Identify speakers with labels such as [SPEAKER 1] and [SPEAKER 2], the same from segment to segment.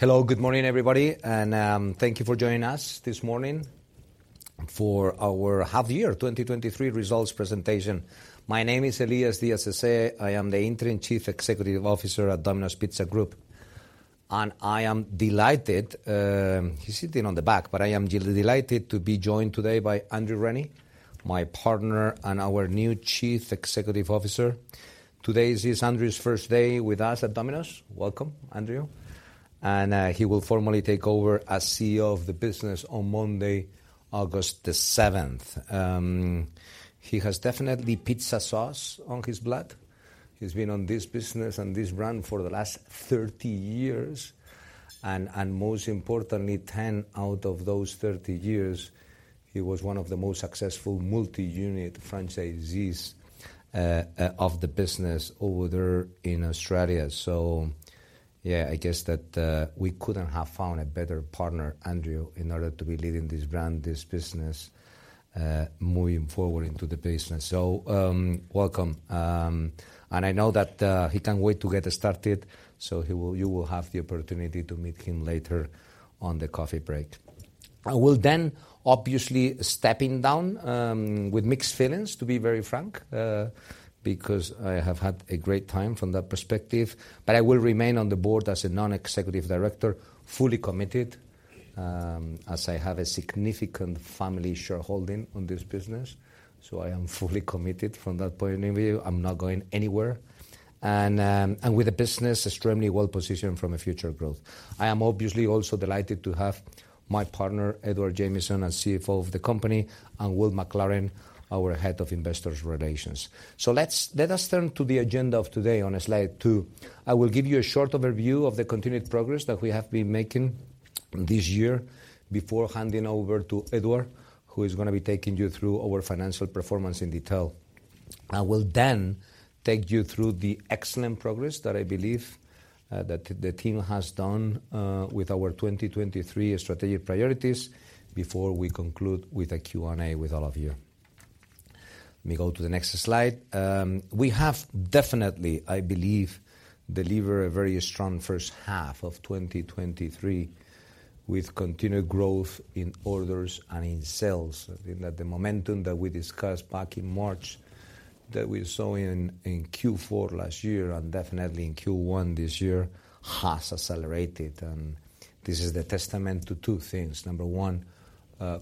[SPEAKER 1] Hello, good morning, everybody, thank you for joining us this morning for our half year 2023 results presentation. My name is Elias Diaz-Sese. I am the Interim Chief Executive Officer at Domino's Pizza Group, and I am delighted... He's sitting on the back, but I am really delighted to be joined today by Andrew Rennie, my partner and our new Chief Executive Officer. Today is Andrew's first day with us at Domino's. Welcome, Andrew. He will formally take over as CEO of the business on Monday, August the 7th. He has definitely pizza sauce on his blood. He's been on this business and this brand for the last 30 years, and most importantly, 10 out of those 30 years, he was one of the most successful multi-unit franchisees of the business over there in Australia. Yeah, I guess that, we couldn't have found a better partner, Andrew, in order to be leading this brand, this business, moving forward into the business. Welcome. I know that, he can't wait to get started, so he will-- you will have the opportunity to meet him later on the coffee break. I will, obviously, stepping down, with mixed feelings, to be very frank, because I have had a great time from that perspective. I will remain on the board as a non-executive director, fully committed, as I have a significant family shareholding on this business. I am fully committed from that point of view. I'm not going anywhere. With the business extremely well-positioned from a future growth. I am obviously also delighted to have my partner, Edward Jamieson, as CFO of the company, and Will MacLaren, our Head of Investor Relations. Let's, let us turn to the agenda of today on slide 2. I will give you a short overview of the continued progress that we have been making this year before handing over to Edward, who is gonna be taking you through our financial performance in detail. I will then take you through the excellent progress that I believe that the team has done with our 2023 strategic priorities before we conclude with a Q&A with all of you. Let me go to the next slide. We have definitely, I believe, delivered a very strong first half of 2023, with continued growth in orders and in sales. I think that the momentum that we discussed back in March, that we saw in Q4 last year and definitely in Q1 this year, has accelerated. This is the testament to two things. Number one,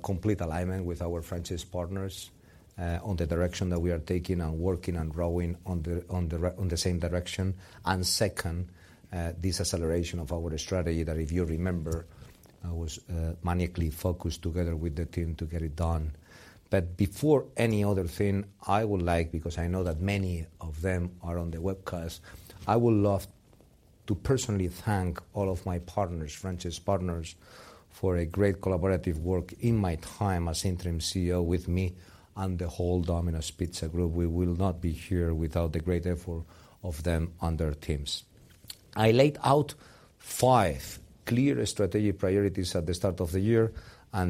[SPEAKER 1] complete alignment with our franchise partners on the direction that we are taking and working and growing on the, on the same direction. Second, this acceleration of our strategy that, if you remember, I was maniacally focused together with the team to get it done. Before any other thing, I would like, because I know that many of them are on the webcast, I would love to personally thank all of my partners, franchise partners, for a great collaborative work in my time as interim CEO with me and the whole Domino's Pizza Group. We will not be here without the great effort of them and their teams. I laid out five clear strategic priorities at the start of the year,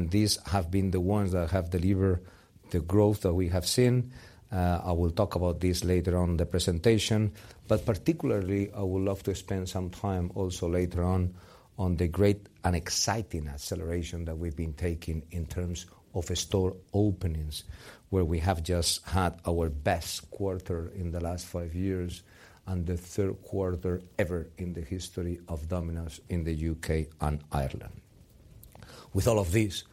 [SPEAKER 1] these have been the ones that have delivered the growth that we have seen. I will talk about this later on in the presentation, but particularly, I would love to spend some time also later on, on the great and exciting acceleration that we've been taking in terms of store openings, where we have just had our best quarter in the last five years and the third quarter ever in the history of Domino's in the UK and Ireland. With all of this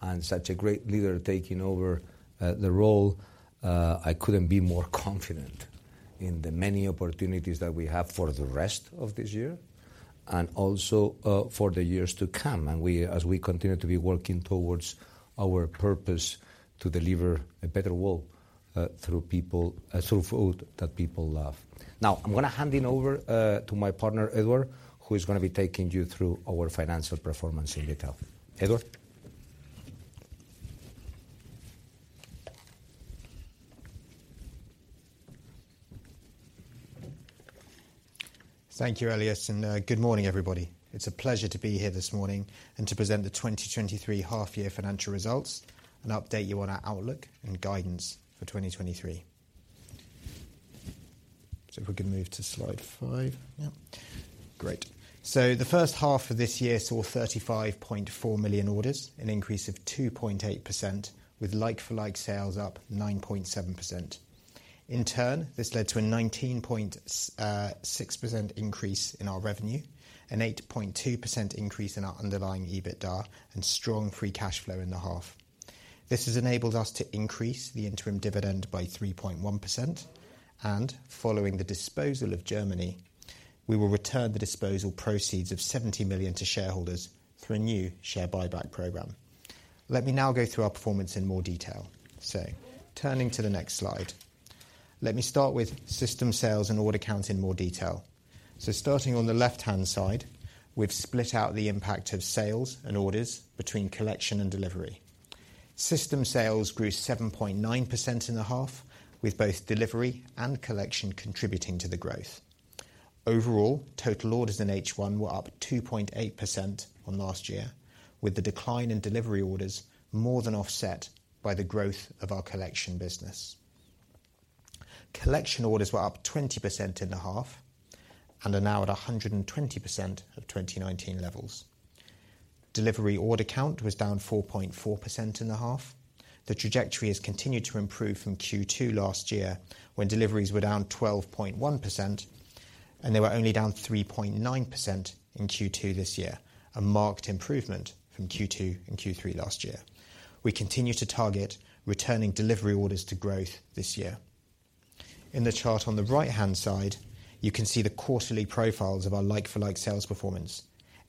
[SPEAKER 1] and such a great leader taking over, the role, I couldn't be more confident in the many opportunities that we have for the rest of this year and also, for the years to come, as we continue to be working towards our purpose to deliver a better world, through people, through food that people love. Now, I'm gonna hand it over, to my partner, Edward, who is gonna be taking you through our financial performance in detail. Edward?
[SPEAKER 2] Thank you, Elias. Good morning, everybody. It's a pleasure to be here this morning and to present the 2023 half year financial results and update you on our outlook and guidance for 2023. If we can move to slide 5. Yep. Great. The first half of this year saw 35.4 million orders, an increase of 2.8%, with like-for-like sales up 9.7%. In turn, this led to a 19.6% increase in our revenue, an 8.2% increase in our underlying EBITDA, and strong free cash flow in the half. This has enabled us to increase the interim dividend by 3.1%, and following the disposal of Germany, we will return the disposal proceeds of 70 million to shareholders through a new share buyback program. Let me now go through our performance in more detail. Turning to the next slide, let me start with system sales and order counts in more detail. Starting on the left-hand side, we've split out the impact of sales and orders between collection and delivery. System sales grew 7.9% in the half, with both delivery and collection contributing to the growth. Overall, total orders in H1 were up 2.8% on last year, with the decline in delivery orders more than offset by the growth of our collection business. Collection orders were up 20% in the half and are now at 120% of 2019 levels. Delivery order count was down 4.4% in the half. The trajectory has continued to improve from Q2 last year, when deliveries were down 12.1%, and they were only down 3.9% in Q2 this year, a marked improvement from Q2 and Q3 last year. We continue to target returning delivery orders to growth this year. In the chart on the right-hand side, you can see the quarterly profiles of our like-for-like sales performance,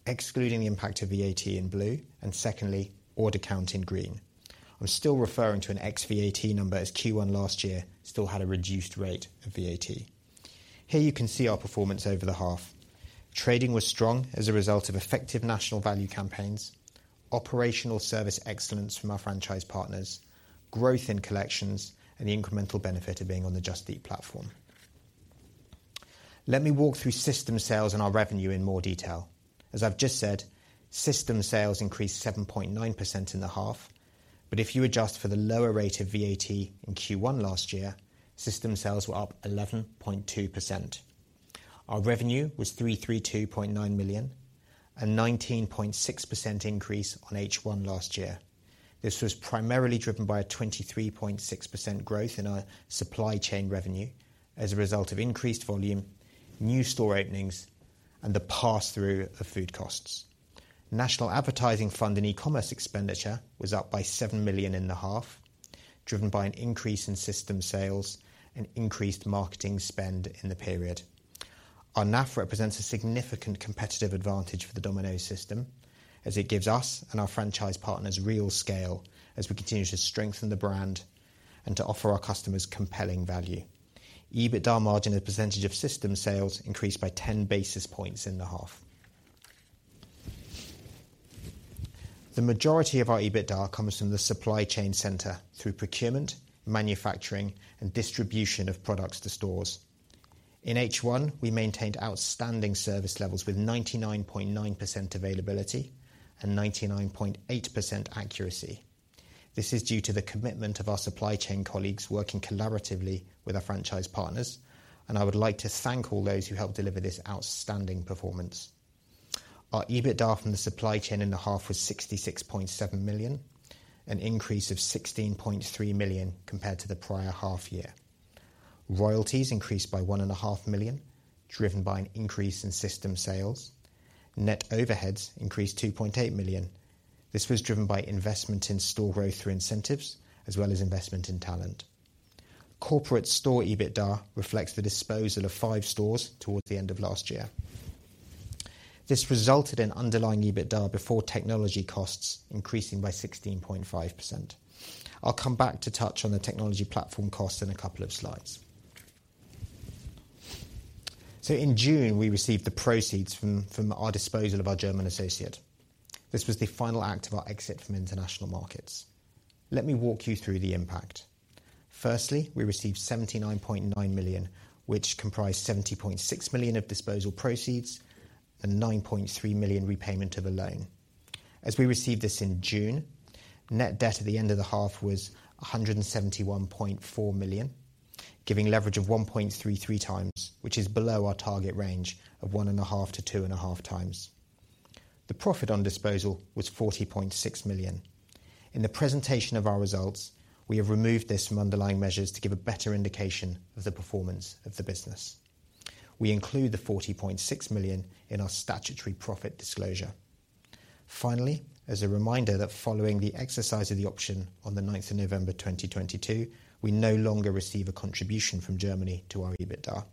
[SPEAKER 2] excluding the impact of VAT in blue, and secondly, order count in green. I'm still referring to an ex-VAT number, as Q1 last year still had a reduced rate of VAT. Here you can see our performance over the half. Trading was strong as a result of effective national value campaigns, operational service excellence from our franchise partners, growth in collections, and the incremental benefit of being on the Just Eat platform. Let me walk through system sales and our revenue in more detail. As I've just said, system sales increased 7.9% in the half. If you adjust for the lower rate of VAT in Q1 last year, system sales were up 11.2%. Our revenue was 332.9 million, a 19.6% increase on H1 last year. This was primarily driven by a 23.6% growth in our supply chain revenue as a result of increased volume, new store openings, and the pass-through of food costs. National Advertising Fund and e-commerce expenditure was up by 7 million in the half, driven by an increase in system sales and increased marketing spend in the period. Our NAF represents a significant competitive advantage for the Domino's system, as it gives us and our franchise partners real scale, as we continue to strengthen the brand and to offer our customers compelling value. EBITDA margin as a percentage of system sales increased by 10 basis points in the half. The majority of our EBITDA comes from the supply chain center through procurement, manufacturing, and distribution of products to stores. In H1, we maintained outstanding service levels with 99.9% availability and 99.8% accuracy. This is due to the commitment of our supply chain colleagues working collaboratively with our franchise partners, I would like to thank all those who helped deliver this outstanding performance. Our EBITDA from the supply chain in the half was 66.7 million, an increase of 16.3 million compared to the prior half year. Royalties increased by 1.5 million, driven by an increase in system sales. Net overheads increased 2.8 million. This was driven by investment in store growth through incentives as well as investment in talent. Corporate store EBITDA reflects the disposal of 5 stores towards the end of last year. This resulted in underlying EBITDA before technology costs increasing by 16.5%. I'll come back to touch on the technology platform cost in a couple of slides. In June, we received the proceeds from our disposal of our German associate. This was the final act of our exit from international markets. Let me walk you through the impact. Firstly, we received 79.9 million, which comprised 70.6 million of disposal proceeds and 9.3 million repayment of a loan. As we received this in June, net debt at the end of the half was 171.4 million, giving leverage of 1.33 times, which is below our target range of 1.5-2.5 times. The profit on disposal was 40.6 million. In the presentation of our results, we have removed this from underlying measures to give a better indication of the performance of the business. We include the 40.6 million in our statutory profit disclosure. As a reminder that following the exercise of the option on the 9th of November, 2022, we no longer receive a contribution from Germany to our EBITDA.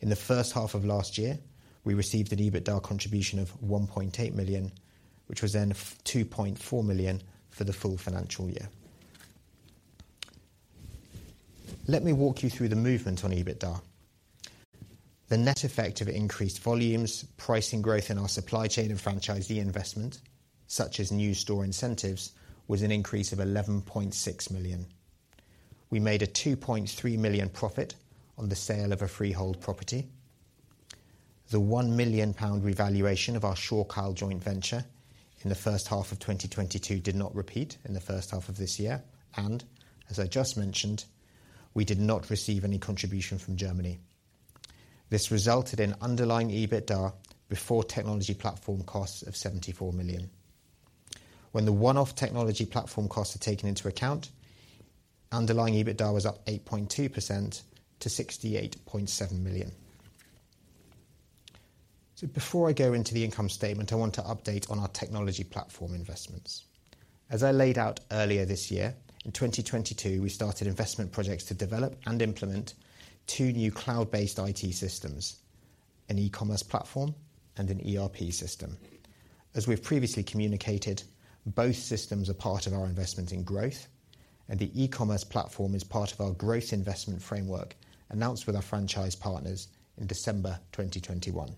[SPEAKER 2] In the first half of last year, we received an EBITDA contribution of 1.8 million, which was then 2.4 million for the full financial year. Let me walk you through the movement on EBITDA. The net effect of increased volumes, pricing growth in our supply chain, and franchisee investment, such as new store incentives, was an increase of 11.6 million. We made a 2.3 million profit on the sale of a freehold property. The 1 million pound revaluation of our Shorecal joint venture in the first half of 2022 did not repeat in the first half of this year, and as I just mentioned, we did not receive any contribution from Germany. This resulted in underlying EBITDA before technology platform costs of 74 million. When the one-off technology platform costs are taken into account, underlying EBITDA was up 8.2% to 68.7 million. Before I go into the income statement, I want to update on our technology platform investments. As I laid out earlier this year, in 2022, we started investment projects to develop and implement two new cloud-based IT systems, an e-commerce platform and an ERP system. As we've previously communicated, both systems are part of our investment in growth, and the e-commerce platform is part of our growth investment framework, announced with our franchise partners in December 2021.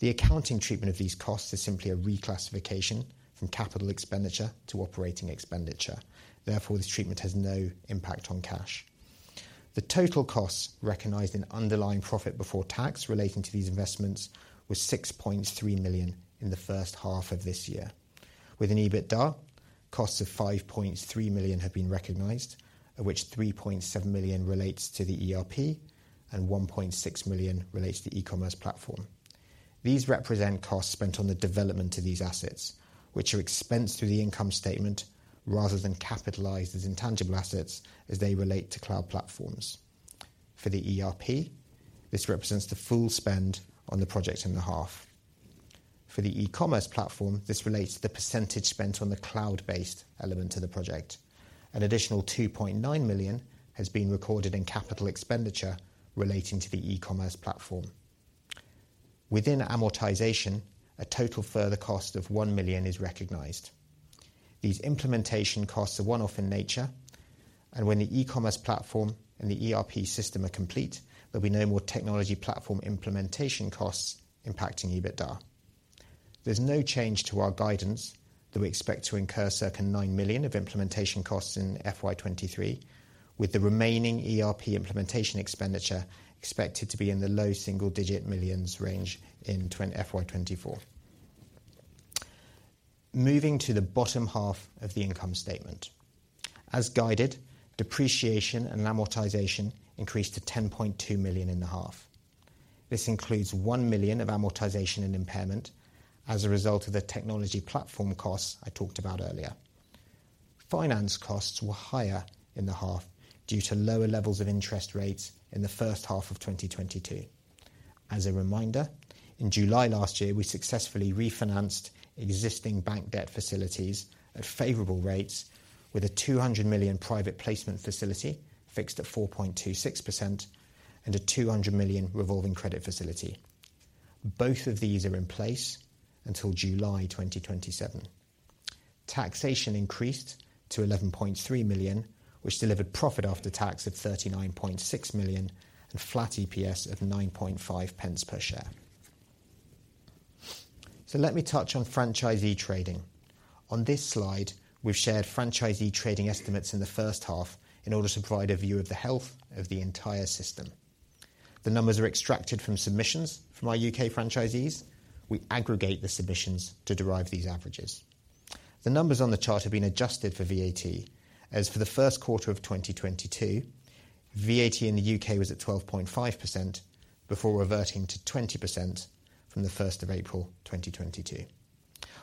[SPEAKER 2] The accounting treatment of these costs is simply a reclassification from capital expenditure to operating expenditure. Therefore, this treatment has no impact on cash. The total costs recognized in underlying profit before tax relating to these investments was 6.3 million in the first half of this year. With an EBITDA, costs of 5.3 million have been recognized, of which 3.7 million relates to the ERP and 1.6 million relates to e-commerce platform. These represent costs spent on the development of these assets, which are expensed through the income statement rather than capitalized as intangible assets as they relate to cloud platforms. For the ERP, this represents the full spend on the project in the half. For the e-commerce platform, this relates to the percentage spent on the cloud-based element of the project. An additional 2.9 million has been recorded in capital expenditure relating to the e-commerce platform. Within amortization, a total further cost of 1 million is recognized. These implementation costs are one-off in nature. When the e-commerce platform and the ERP system are complete, there'll be no more technology platform implementation costs impacting EBITDA. There's no change to our guidance that we expect to incur certain 9 million of implementation costs in FY 2023, with the remaining ERP implementation expenditure expected to be in the low single-digit millions range in FY 2024. Moving to the bottom half of the income statement. As guided, depreciation and amortization increased to 10.2 million in the half. This includes 1 million of amortization and impairment as a result of the technology platform costs I talked about earlier. Finance costs were higher in the half due to lower levels of interest rates in the first half of 2022. As a reminder, in July last year, we successfully refinanced existing bank debt facilities at favorable rates with a 200 million private placement facility fixed at 4.26% and a 200 million revolving credit facility. Both of these are in place until July 2027. Taxation increased to 11.3 million, which delivered profit after tax of 39.6 million and flat EPS of 0.095 per share. Let me touch on franchisee trading. On this slide, we've shared franchisee trading estimates in the first half in order to provide a view of the health of the entire system. The numbers are extracted from submissions from our UK franchisees. We aggregate the submissions to derive these averages. The numbers on the chart have been adjusted for VAT. As for the first quarter of 2022, VAT in the UK was at 12.5% before reverting to 20% from the 1st of April 2022.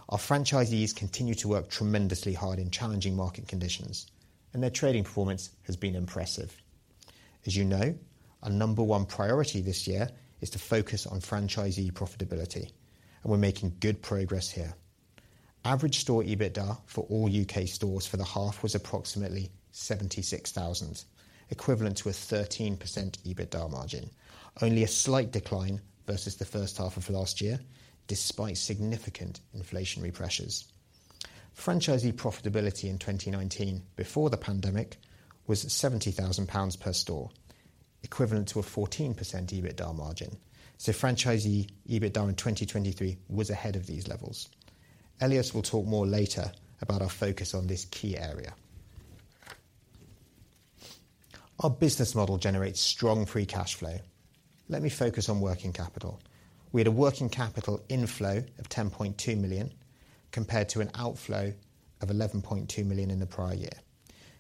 [SPEAKER 2] Our franchisees continue to work tremendously hard in challenging market conditions, and their trading performance has been impressive. As you know, our number one priority this year is to focus on franchisee profitability, and we're making good progress here. Average store EBITDA for all UK stores for the half was approximately 76,000, equivalent to a 13% EBITDA margin. Only a slight decline versus the first half of last year, despite significant inflationary pressures. Franchisee profitability in 2019 before the pandemic was 70,000 pounds per store, equivalent to a 14% EBITDA margin, so franchisee EBITDA in 2023 was ahead of these levels. Elias will talk more later about our focus on this key area. Our business model generates strong free cash flow. Let me focus on working capital. We had a working capital inflow of 10.2 million, compared to an outflow of 11.2 million in the prior year.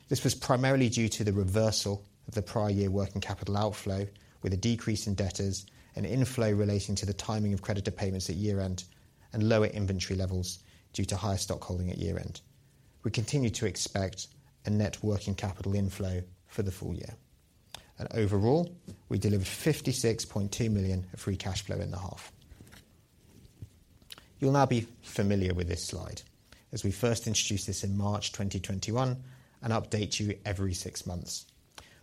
[SPEAKER 2] This was primarily due to the reversal of the prior year working capital outflow, with a decrease in debtors and inflow relating to the timing of creditor payments at year-end, and lower inventory levels due to higher stock holding at year-end. We continue to expect a net working capital inflow for the full year. Overall, we delivered 56.2 million of free cash flow in the half. You'll now be familiar with this slide, as we first introduced this in March 2021 and update you every 6 months.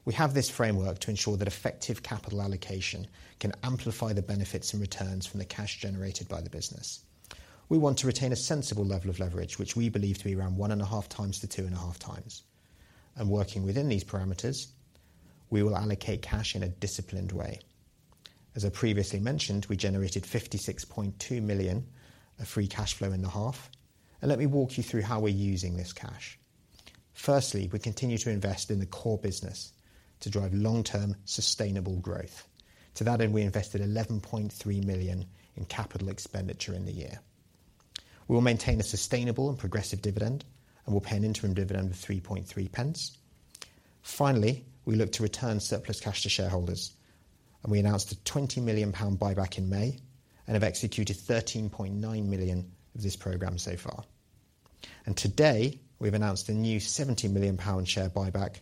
[SPEAKER 2] We have this framework to ensure that effective capital allocation can amplify the benefits and returns from the cash generated by the business. We want to retain a sensible level of leverage, which we believe to be around 1.5x to 2.5x. Working within these parameters, we will allocate cash in a disciplined way. As I previously mentioned, we generated 56.2 million of free cash flow in the half. Let me walk you through how we're using this cash. Firstly, we continue to invest in the core business to drive long-term, sustainable growth. To that end, we invested 11.3 million in capital expenditure in the year. We will maintain a sustainable and progressive dividend. We'll pay an interim dividend of 3.3 pence. Finally, we look to return surplus cash to shareholders. We announced a 20 million pound buyback in May and have executed 13.9 million of this program so far. Today, we've announced a new 70 million pound share buyback,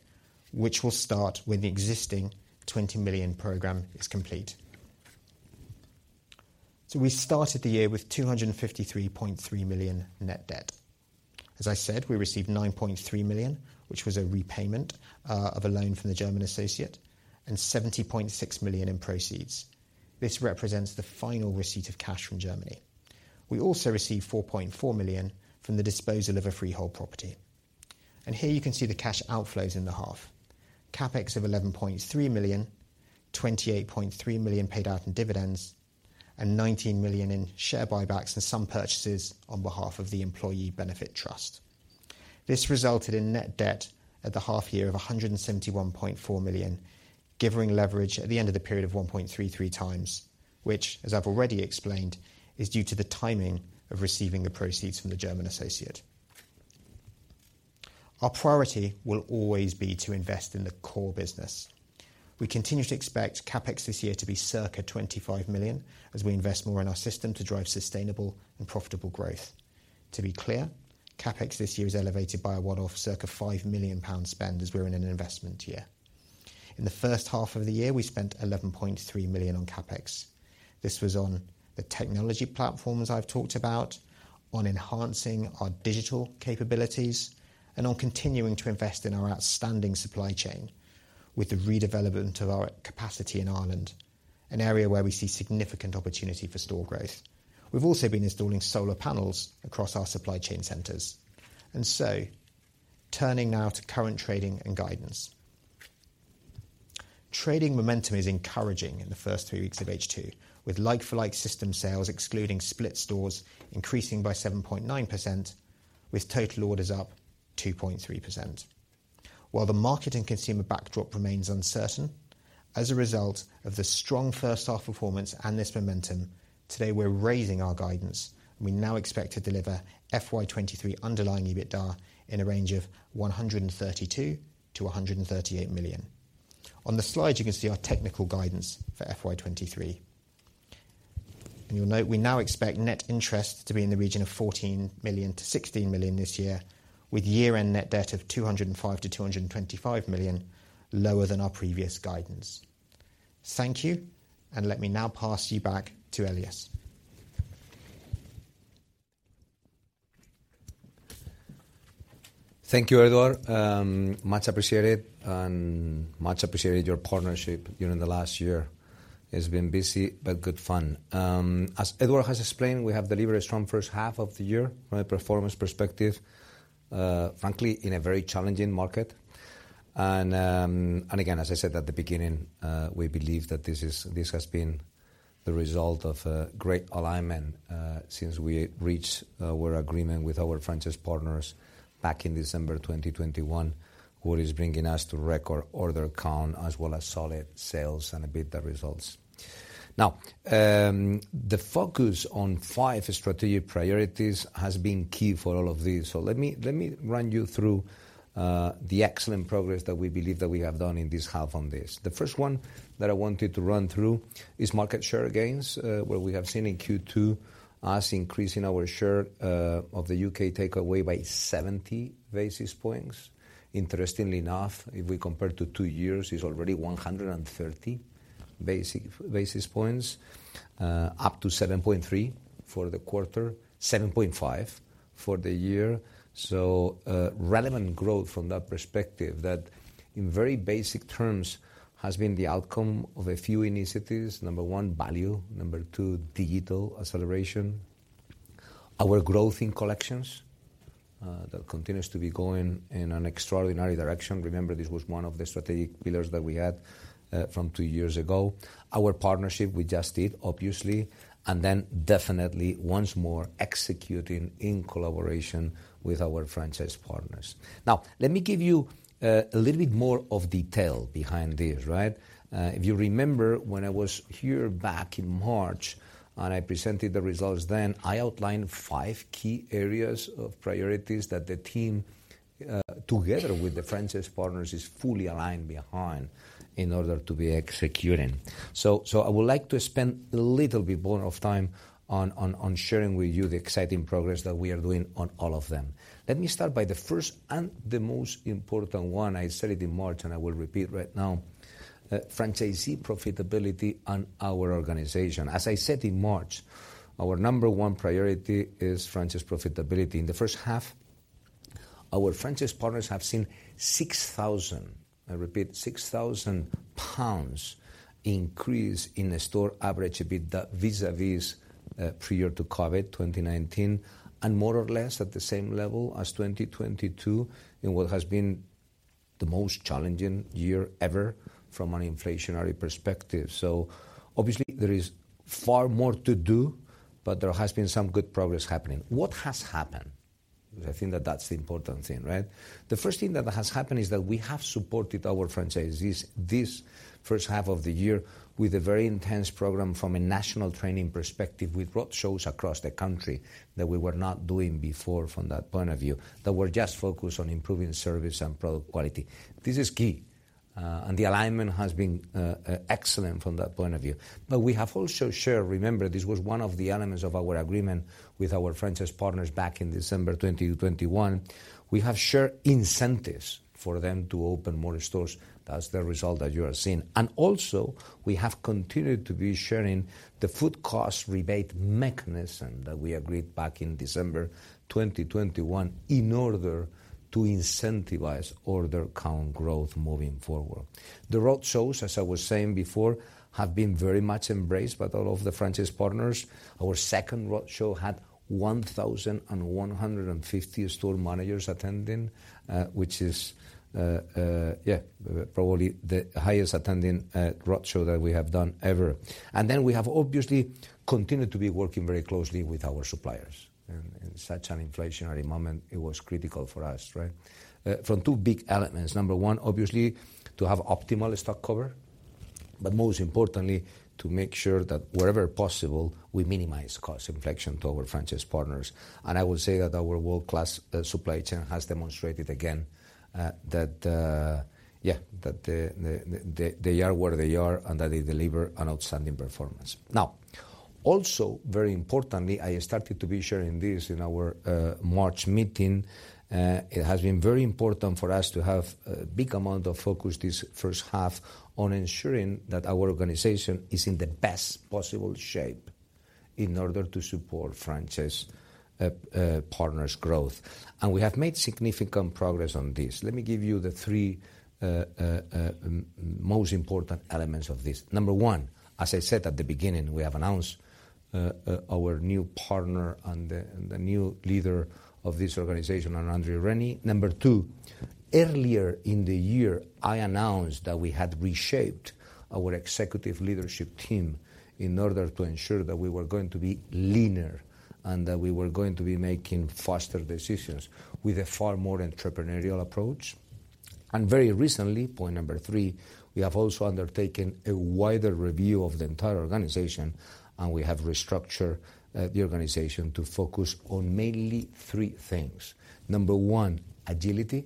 [SPEAKER 2] which will start when the existing 20 million program is complete. We started the year with 253.3 million net debt. As I said, we received 9.3 million, which was a repayment of a loan from the German associate, and 70.6 million in proceeds. This represents the final receipt of cash from Germany. We also received 4.4 million from the disposal of a freehold property. Here you can see the cash outflows in the half. CapEx of 11.3 million, 28.3 million paid out in dividends, and 19 million in share buybacks and some purchases on behalf of the employee benefit trust. This resulted in net debt at the half year of 171.4 million, giving leverage at the end of the period of 1.33 times, which, as I've already explained, is due to the timing of receiving the proceeds from the German associate. Our priority will always be to invest in the core business. We continue to expect CapEx this year to be circa 25 million, as we invest more in our system to drive sustainable and profitable growth. To be clear, CapEx this year is elevated by a one-off circa 5 million pound spend, as we're in an investment year. In the first half of the year, we spent 11.3 million on CapEx. This was on the technology platforms I've talked about, on enhancing our digital capabilities, and on continuing to invest in our outstanding supply chain with the redevelopment of our capacity in Ireland, an area where we see significant opportunity for store growth. We've also been installing solar panels across our supply chain centers. Turning now to current trading and guidance. Trading momentum is encouraging in the first three weeks of H2, with like-for-like system sales, excluding split stores, increasing by 7.9%, with total orders up 2.3%. While the market and consumer backdrop remains uncertain, as a result of the strong first half performance and this momentum, today we're raising our guidance. We now expect to deliver FY 2023 underlying EBITDA in a range of 132 million-138 million. On the slide, you can see our technical guidance for FY 2023. You'll note we now expect net interest to be in the region of 14 million-16 million this year, with year-end net debt of 205 million-225 million, lower than our previous guidance. Thank you, and let me now pass you back to Elias.
[SPEAKER 1] Thank you, Edward. Much appreciated and much appreciated your partnership during the last year. It's been busy, but good fun. As Edward has explained, we have delivered a strong first half of the year from a performance perspective, frankly, in a very challenging market. Again, as I said at the beginning, we believe that this has been the result of a great alignment since we reached our agreement with our franchise partners back in December 2021, what is bringing us to record order count, as well as solid sales and EBITDA results. Now, the focus on five strategic priorities has been key for all of this. Let me, let me run you through the excellent progress that we believe that we have done in this half on this. The first one that I wanted to run through is market share gains, where we have seen in Q2 us increasing our share of the UK takeaway by 70 basis points. Interestingly enough, if we compare to 2 years, it's already 130 basis points up to 7.3 for the quarter, 7.5 for the year. Relevant growth from that perspective, that in very basic terms, has been the outcome of a few initiatives. Number one, value. Number two, digital acceleration. Our growth in collections, that continues to be going in an extraordinary direction. Remember, this was one of the strategic pillars that we had from 2 years ago. Our partnership, we just did, obviously, and then definitely once more, executing in collaboration with our franchise partners. Now, let me give you a little bit more of detail behind this, right. If you remember, when I was here back in March and I presented the results then, I outlined five key areas of priorities that the team, together with the franchise partners, is fully aligned behind in order to be executing. I would like to spend a little bit more of time on, on, on sharing with you the exciting progress that we are doing on all of them. Let me start by the first and the most important one. I said it in March, and I will repeat right now, franchisee profitability and our organization. As I said in March, our number one priority is franchise profitability. In the first half, our franchise partners have seen 6,000, I repeat, 6,000 pounds increase in the store average EBITDA, vis-a-vis, prior to COVID, 2019, and more or less at the same level as 2022, in what has been the most challenging year ever from an inflationary perspective. Obviously, there is far more to do, but there has been some good progress happening. What has happened? I think that that's the important thing, right? The first thing that has happened is that we have supported our franchisees this first half of the year with a very intense program from a national training perspective. We've brought shows across the country that we were not doing before from that point of view, that were just focused on improving service and product quality. This is key. The alignment has been excellent from that point of view. We have also shared. Remember, this was one of the elements of our agreement with our franchise partners back in December 2020-21. We have shared incentives for them to open more stores. That's the result that you are seeing. Also, we have continued to be sharing the food cost rebate mechanism that we agreed back in December 2021, in order to incentivize order count growth moving forward. The roadshows, as I was saying before, have been very much embraced by all of the franchise partners. Our second roadshow had 1,150 store managers attending, which is probably the highest attending roadshow that we have done ever. We have obviously continued to be working very closely with our suppliers. In such an inflationary moment, it was critical for us, right? From two big elements. Number one, obviously, to have optimal stock cover, but most importantly, to make sure that wherever possible, we minimize cost inflation to our franchise partners. I will say that our world-class supply chain has demonstrated again that they are where they are, and that they deliver an outstanding performance. Also, very importantly, I started to be sharing this in our March meeting. It has been very important for us to have a big amount of focus this first half on ensuring that our organization is in the best possible shape in order to support franchise partners' growth. We have made significant progress on this. Let me give you the 3 most important elements of this. Number 1, as I said at the beginning, we have announced our new partner and the new leader of this organization, Andrew Rennie. Number 2, earlier in the year, I announced that we had reshaped our executive leadership team in order to ensure that we were going to be leaner and that we were going to be making faster decisions with a far more entrepreneurial approach. Very recently, point number 3, we have also undertaken a wider review of the entire organization, and we have restructured the organization to focus on mainly 3 things. Number 1, agility.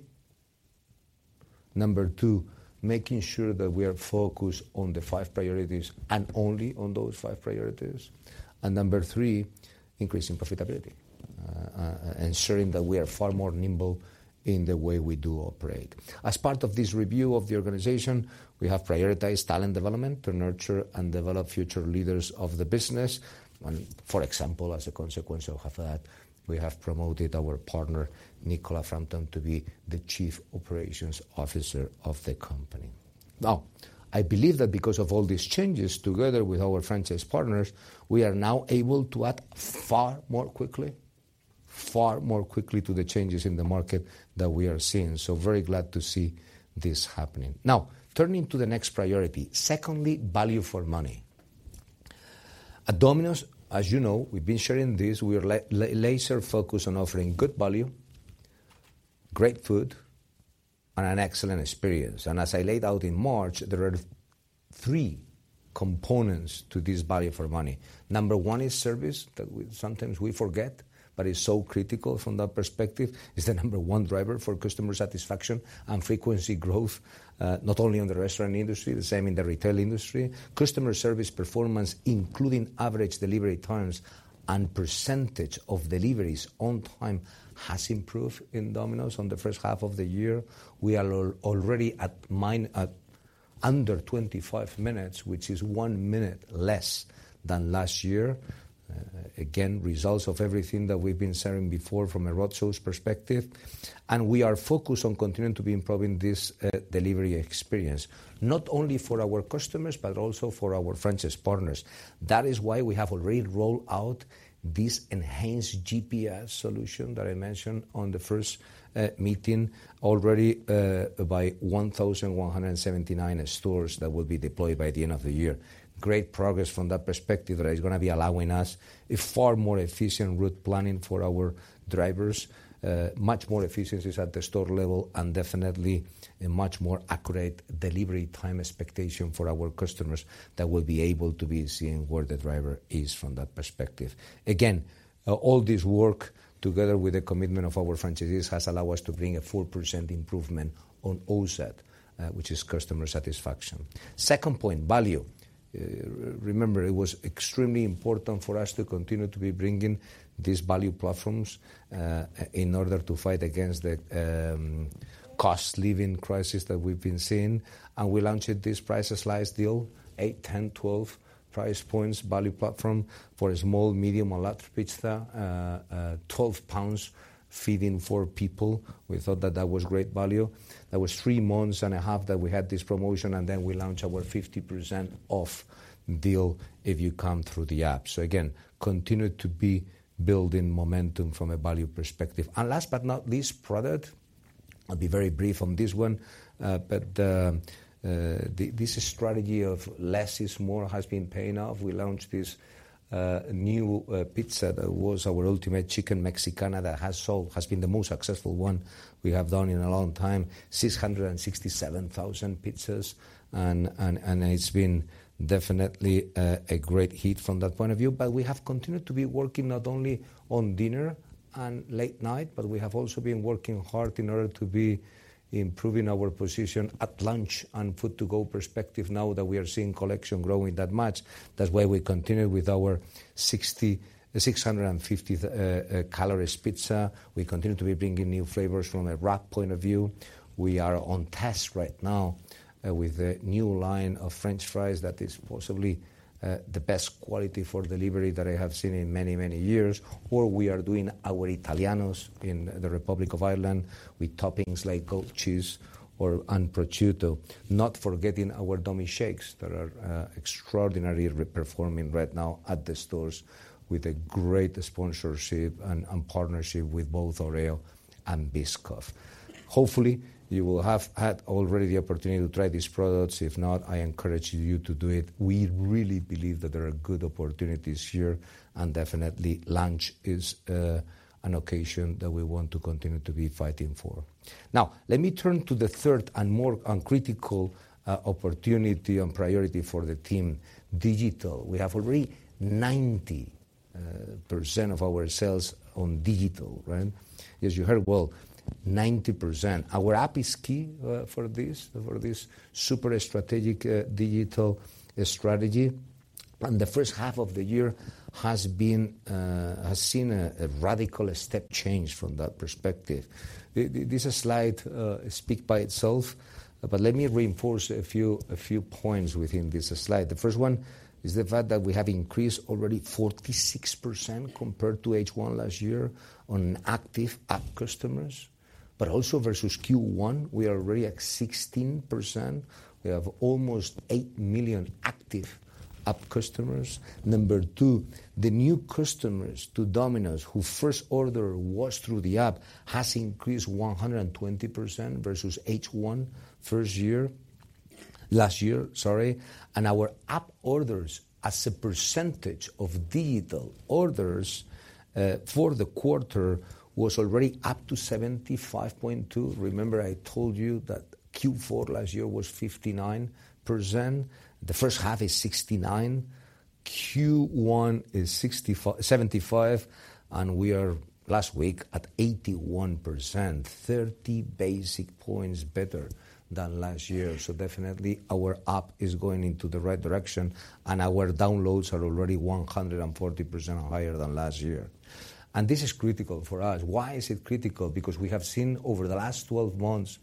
[SPEAKER 1] Number 2, making sure that we are focused on the 5 priorities and only on those 5 priorities. Number three, increasing profitability, ensuring that we are far more nimble in the way we do operate. As part of this review of the organization, we have prioritized talent development to nurture and develop future leaders of the business. For example, as a consequence of that, we have promoted our partner, Nicola Frampton, to be the Chief Operations Officer of the company. I believe that because of all these changes, together with our franchise partners, we are now able to act far more quickly, far more quickly to the changes in the market that we are seeing. Very glad to see this happening. Turning to the next priority. Secondly, value for money. At Domino's, as you know, we've been sharing this, we are laser focused on offering good value, great food, and an excellent experience. As I laid out in March, there are 3 components to this value for money. Number 1 is service, that we sometimes we forget, but it's so critical from that perspective. It's the number 1 driver for customer satisfaction and frequency growth, not only in the restaurant industry, the same in the retail industry. Customer service performance, including average delivery times and percentage of deliveries on time, has improved in Domino's on the 1st half of the year. We are already at under 25 minutes, which is 1 minute less than last year. Again, results of everything that we've been sharing before from a road shows perspective, and we are focused on continuing to be improving this delivery experience, not only for our customers, but also for our franchise partners. That is why we have already rolled out this enhanced GPS solution that I mentioned on the first meeting, already by 1,179 stores that will be deployed by the end of the year. Great progress from that perspective, that is gonna be allowing us a far more efficient route planning for our drivers, much more efficiencies at the store level, and definitely a much more accurate delivery time expectation for our customers that will be able to be seeing where the driver is from that perspective. Again, all this work, together with the commitment of our franchisees, has allowed us to bring a 4% improvement on OSAT, which is customer satisfaction. Second point, value. Remember, it was extremely important for us to continue to be bringing these value platforms in order to fight against the cost living crisis that we've been seeing. We launched this Price Slice deal, 8, 10, 12 price points value platform for a small, medium, or large pizza. 12 pounds, feeding 4 people. We thought that that was great value. That was three and a half months that we had this promotion, and then we launched our 50% off deal if you come through the app. Again, continue to be building momentum from a value perspective. Last but not least, product. I'll be very brief on this one, but this strategy of less is more has been paying off. We launched this new pizza that was our Ultimate Chicken Mexicana that has been the most successful one we have done in a long time, 667,000 pizzas, and it's been definitely a great hit from that point of view. We have continued to be working not only on dinner and late night, but we have also been working hard in order to be improving our position at lunch and food to go perspective now that we are seeing collection growing that much. That's why we continue with our 650 calories pizza. We continue to be bringing new flavors from a wrap point of view. We are on test right now with a new line of French fries that is possibly the best quality for delivery that I have seen in many, many years, or we are doing our Italianos in the Republic of Ireland with toppings like goat cheese and prosciutto. Not forgetting our DomiShakes, that are extraordinarily performing right now at the stores with a great sponsorship and partnership with both Oreo and Biscoff. Hopefully, you will have had already the opportunity to try these products. If not, I encourage you to do it. We really believe that there are good opportunities here, and definitely lunch is an occasion that we want to continue to be fighting for. Now, let me turn to the third and more and critical opportunity and priority for the team, digital. We have already 90...... percent of our sales on digital, right? As you heard, well, 90%. Our app is key for this, for this super strategic digital strategy. The first half of the year has been has seen a radical step change from that perspective. This slide speak by itself, but let me reinforce a few, a few points within this slide. The first one is the fact that we have increased already 46% compared to H1 last year on active app customers, but also versus Q1, we are already at 16%. We have almost 8 million active app customers. Number two, the new customers to Domino's, who first order was through the app, has increased 120% versus H1 last year, sorry. Our app orders, as a percentage of digital orders, for the quarter, was already up to 75.2. Remember, I told you that Q4 last year was 59%. The first half is 69%, Q1 is 75%, and we are, last week, at 81%, 30 basic points better than last year. Definitely our app is going into the right direction, and our downloads are already 140% higher than last year. This is critical for us. Why is it critical? We have seen over the last 12 months,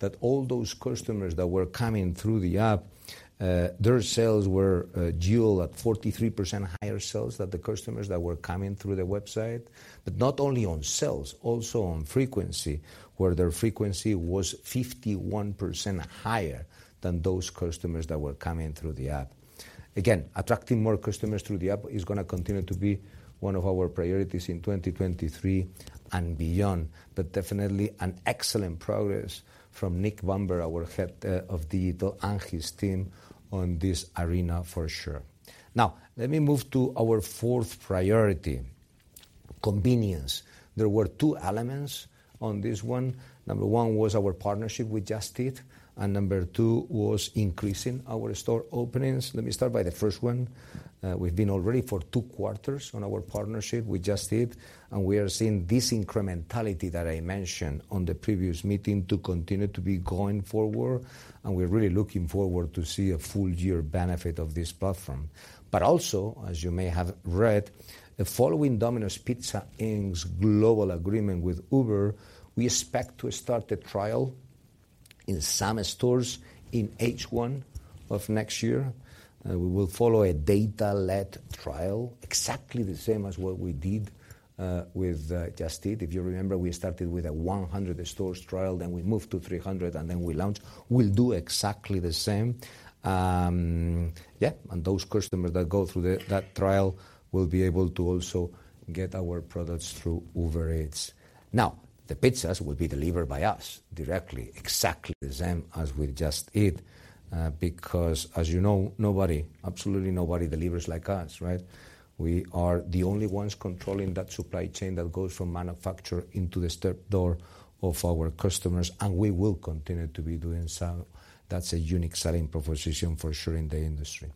[SPEAKER 1] that all those customers that were coming through the app, their sales were, dual at 43% higher sales than the customers that were coming through the website. Not only on sales, also on frequency, where their frequency was 51% higher than those customers that were coming through the app. Attracting more customers through the app is gonna continue to be one of our priorities in 2023 and beyond, but definitely an excellent progress from Nick Bamber, our head of digital, and his team on this arena for sure. Let me move to our fourth priority, convenience. There were two elements on this one. Number one was our partnership with Just Eat, and number two was increasing our store openings. Let me start by the first one. We've been already for 2 quarters on our partnership with Just Eat, and we are seeing this incrementality that I mentioned on the previous meeting, to continue to be going forward, and we're really looking forward to see a full year benefit of this platform. Also, as you may have read, the following Domino's Pizza Inc.'s global agreement with Uber, we expect to start the trial in some stores in H1 of next year. We will follow a data-led trial, exactly the same as what we did with Just Eat. If you remember, we started with a 100 stores trial, then we moved to 300, and then we launched. We'll do exactly the same. Yeah, those customers that go through the, that trial will be able to also get our products through Uber Eats. Now, the pizzas will be delivered by us directly, exactly the same as with Just Eat, because, as you know, nobody, absolutely nobody delivers like us, right? We are the only ones controlling that supply chain that goes from manufacturer into the step door of our customers, and we will continue to be doing so. That's a unique selling proposition for sure in the industry.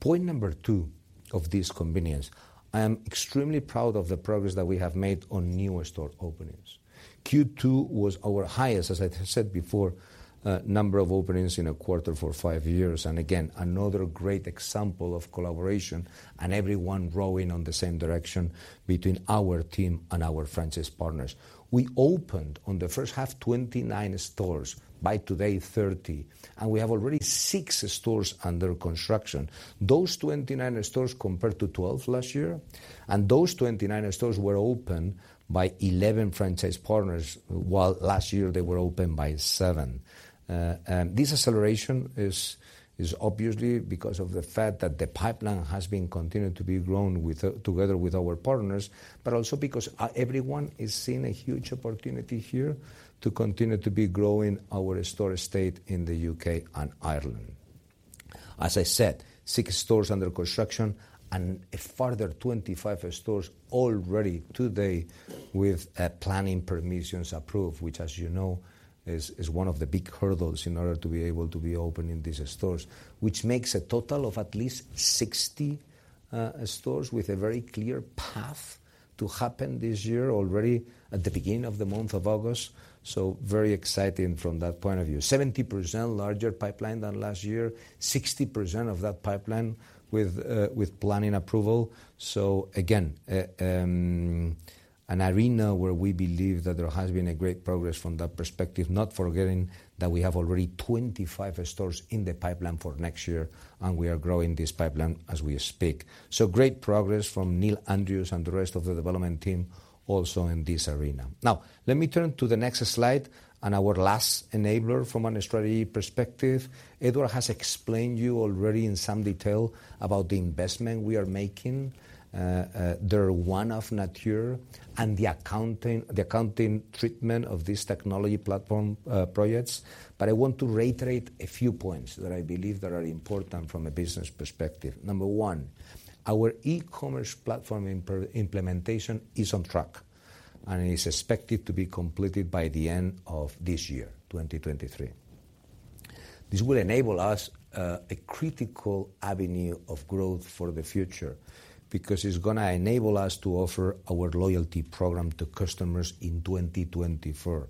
[SPEAKER 1] Point number two of this convenience, I am extremely proud of the progress that we have made on new store openings. Q2 was our highest, as I have said before, number of openings in a quarter for 5 years. Again, another great example of collaboration and everyone rowing on the same direction between our team and our franchise partners. We opened, on the first half, 29 stores, by today, 30, and we have already 6 stores under construction. Those 29 stores compared to 12 last year. Those 29 stores were opened by 11 franchise partners, while last year they were opened by seven. This acceleration is obviously because of the fact that the pipeline has been continued to be grown with together with our partners, but also because everyone is seeing a huge opportunity here to continue to be growing our store estate in the UK and Ireland. As I said, six stores under construction and a further 25 stores already today with planning permissions approved, which, as you know, is one of the big hurdles in order to be able to be opening these stores. Which makes a total of at least 60 stores with a very clear path to happen this year, already at the beginning of the month of August. Very exciting from that point of view. 70% larger pipeline than last year, 60% of that pipeline with planning approval. Again, an arena where we believe that there has been a great progress from that perspective, not forgetting that we have already 25 stores in the pipeline for next year, and we are growing this pipeline as we speak. Great progress from Neil Andrews and the rest of the development team also in this arena. Now, let me turn to the next slide and our last enabler from a strategy perspective. Edward has explained to you already in some detail about the investment we are making, their one-off nature and the accounting, the accounting treatment of these technology platform projects. I want to reiterate a few points that I believe that are important from a business perspective. Number one, our e-commerce platform implementation is on track, and it is expected to be completed by the end of this year, 2023. This will enable us a critical avenue of growth for the future, because it's going to enable us to offer our loyalty program to customers in 2024.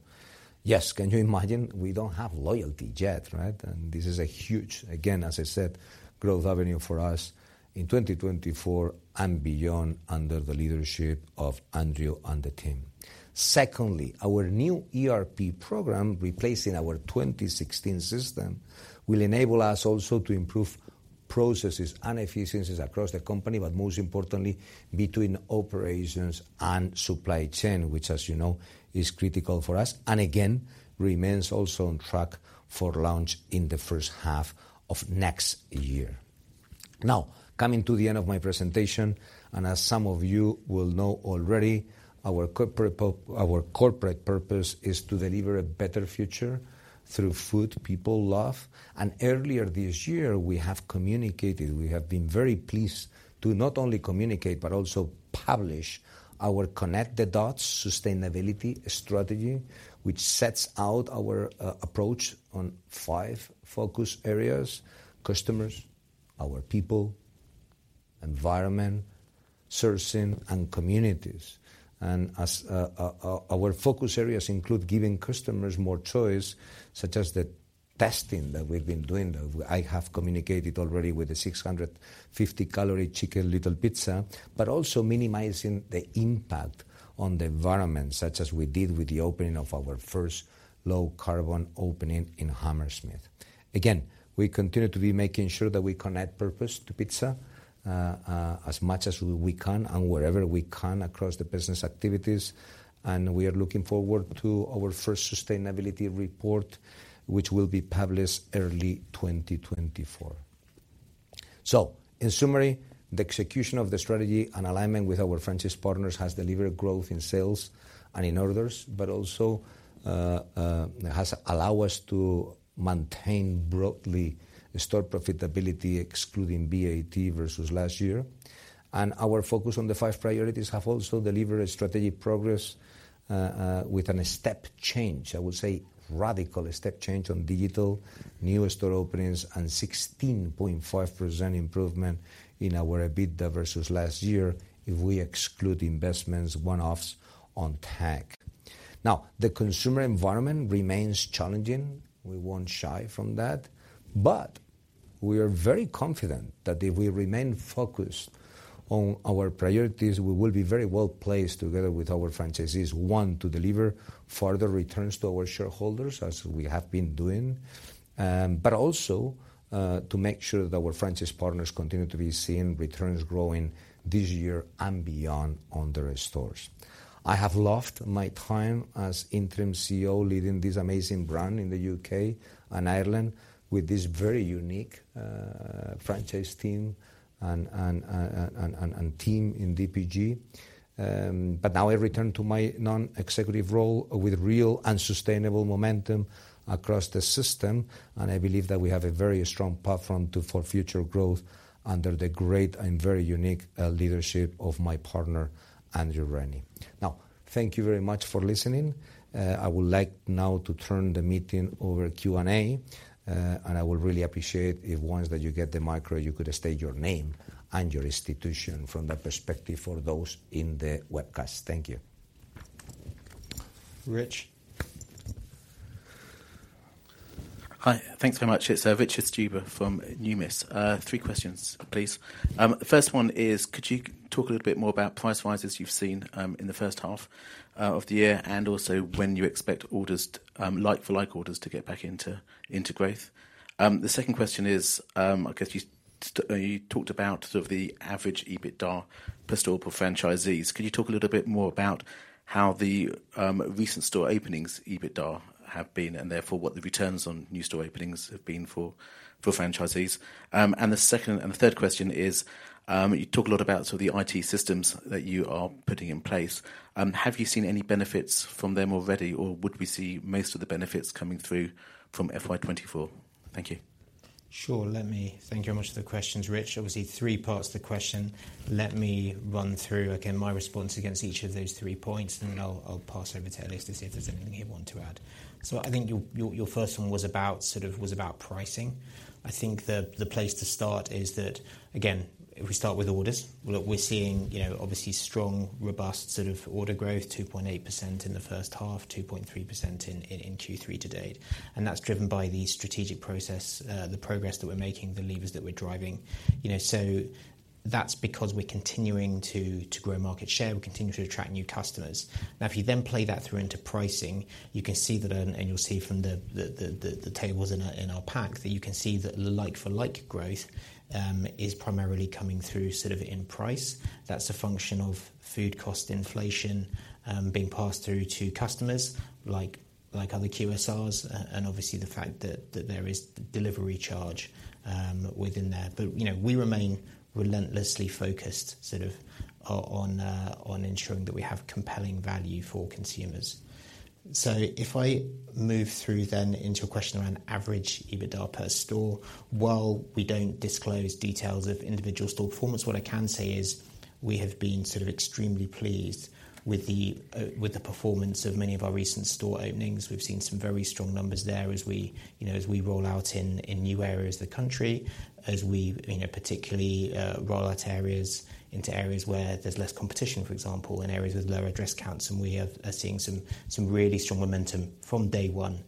[SPEAKER 1] Yes, can you imagine? We don't have loyalty yet, right? This is a huge, again, as I said, growth avenue for us in 2024 and beyond, under the leadership of Andrew and the team. Secondly, our new ERP program, replacing our 2016 system, will enable us also to improve processes and efficiencies across the company, but most importantly, between operations and supply chain, which, as you know, is critical for us, and again, remains also on track for launch in the first half of next year. Coming to the end of my presentation, as some of you will know already, our corporate purpose is to deliver a better future through food people love. Earlier this year, we have communicated, we have been very pleased to not only communicate, but also publish our Connect the Dots sustainability strategy, which sets out our approach on 5 focus areas: customers, our people, environment, sourcing, and communities. As our focus areas include giving customers more choice, such as the testing that we've been doing. I have communicated already with the 650 calorie Chicken Little Pizza, but also minimizing the impact on the environment, such as we did with the opening of our first low carbon opening in Hammersmith. We continue to be making sure that we connect purpose to pizza as much as we can and wherever we can across the business activities. We are looking forward to our first sustainability report, which will be published early 2024. In summary, the execution of the strategy and alignment with our franchise partners has delivered growth in sales and in orders, also has allow us to maintain broadly store profitability, excluding BAT, versus last year. Our focus on the five priorities have also delivered a strategic progress with a step change, I would say, radical step change on digital, new store openings, and 16.5% improvement in our EBITDA versus last year, if we exclude investments, one-offs on te. The consumer environment remains challenging. We won't shy from that. We are very confident that if we remain focused on our priorities, we will be very well placed together with our franchisees, one, to deliver further returns to our shareholders, as we have been doing, but also to make sure that our franchise partners continue to be seeing returns growing this year and beyond on their stores. I have loved my time as Interim CEO, leading this amazing brand in the UK and Ireland with this very unique franchise team and team in DPG. Now I return to my non-executive role with real and sustainable momentum across the system. I believe that we have a very strong platform for future growth under the great and very unique leadership of my partner, Andrew Rennie. Now, thank you very much for listening. I would like now to turn the meeting over to Q&A. I would really appreciate it once that you get the micro, you could state your name and your institution from that perspective for those in the webcast. Thank you.
[SPEAKER 3] Rich?
[SPEAKER 4] Hi. Thanks very much. It's Richard Stuber from Numis. 3 questions, please. The first one is, could you talk a little bit more about price rises you've seen in the first half of the year, and also when you expect orders, like-for-like orders to get back into, into growth? The second question is, I guess you talked about sort of the average EBITDA per store, per franchisees. Could you talk a little bit more about how the recent store openings EBITDA have been, and therefore what the returns on new store openings have been for, for franchisees? The third question is, you talk a lot about sort of the IT systems that you are putting in place. Have you seen any benefits from them already, or would we see most of the benefits coming through from FY 2024? Thank you.
[SPEAKER 3] Sure. Thank you very much for the questions, Richard. Obviously, three parts to the question. Let me run through again, my response against each of those three points, and then I'll, I'll pass over to Elias Diaz-Sese to see if there's anything he want to add. I think your, your, your first one was about, sort of, was about pricing. I think the, the place to start is that, again, if we start with orders, look, we're seeing, you know, obviously strong, robust, sort of order growth, 2.8% in the first half, 2.3% in, in, in Q3 to date, and that's driven by the strategic process, the progress that we're making, the levers that we're driving. You know, that's because we're continuing to, to grow market share. We're continuing to attract new customers. If you then play that through into pricing, you can see that, and you'll see from the, the, the, the tables in our, in our pack, that you can see that like-for-like growth is primarily coming through sort of in price. That's a function of food cost inflation being passed through to customers like other QSRs, and obviously the fact that there is delivery charge within there. You know, we remain relentlessly focused, sort of on ensuring that we have compelling value for consumers. If I move through then into a question around average EBITDA per store, while we don't disclose details of individual store performance, what I can say is... we have been sort of extremely pleased with the performance of many of our recent store openings. We've seen some very strong numbers there as we as we roll out in, in new areas of the country, as we particularly roll out areas into areas where there's less competition, for example, in areas with lower address counts, and we are seeing some, some really strong momentum from day 1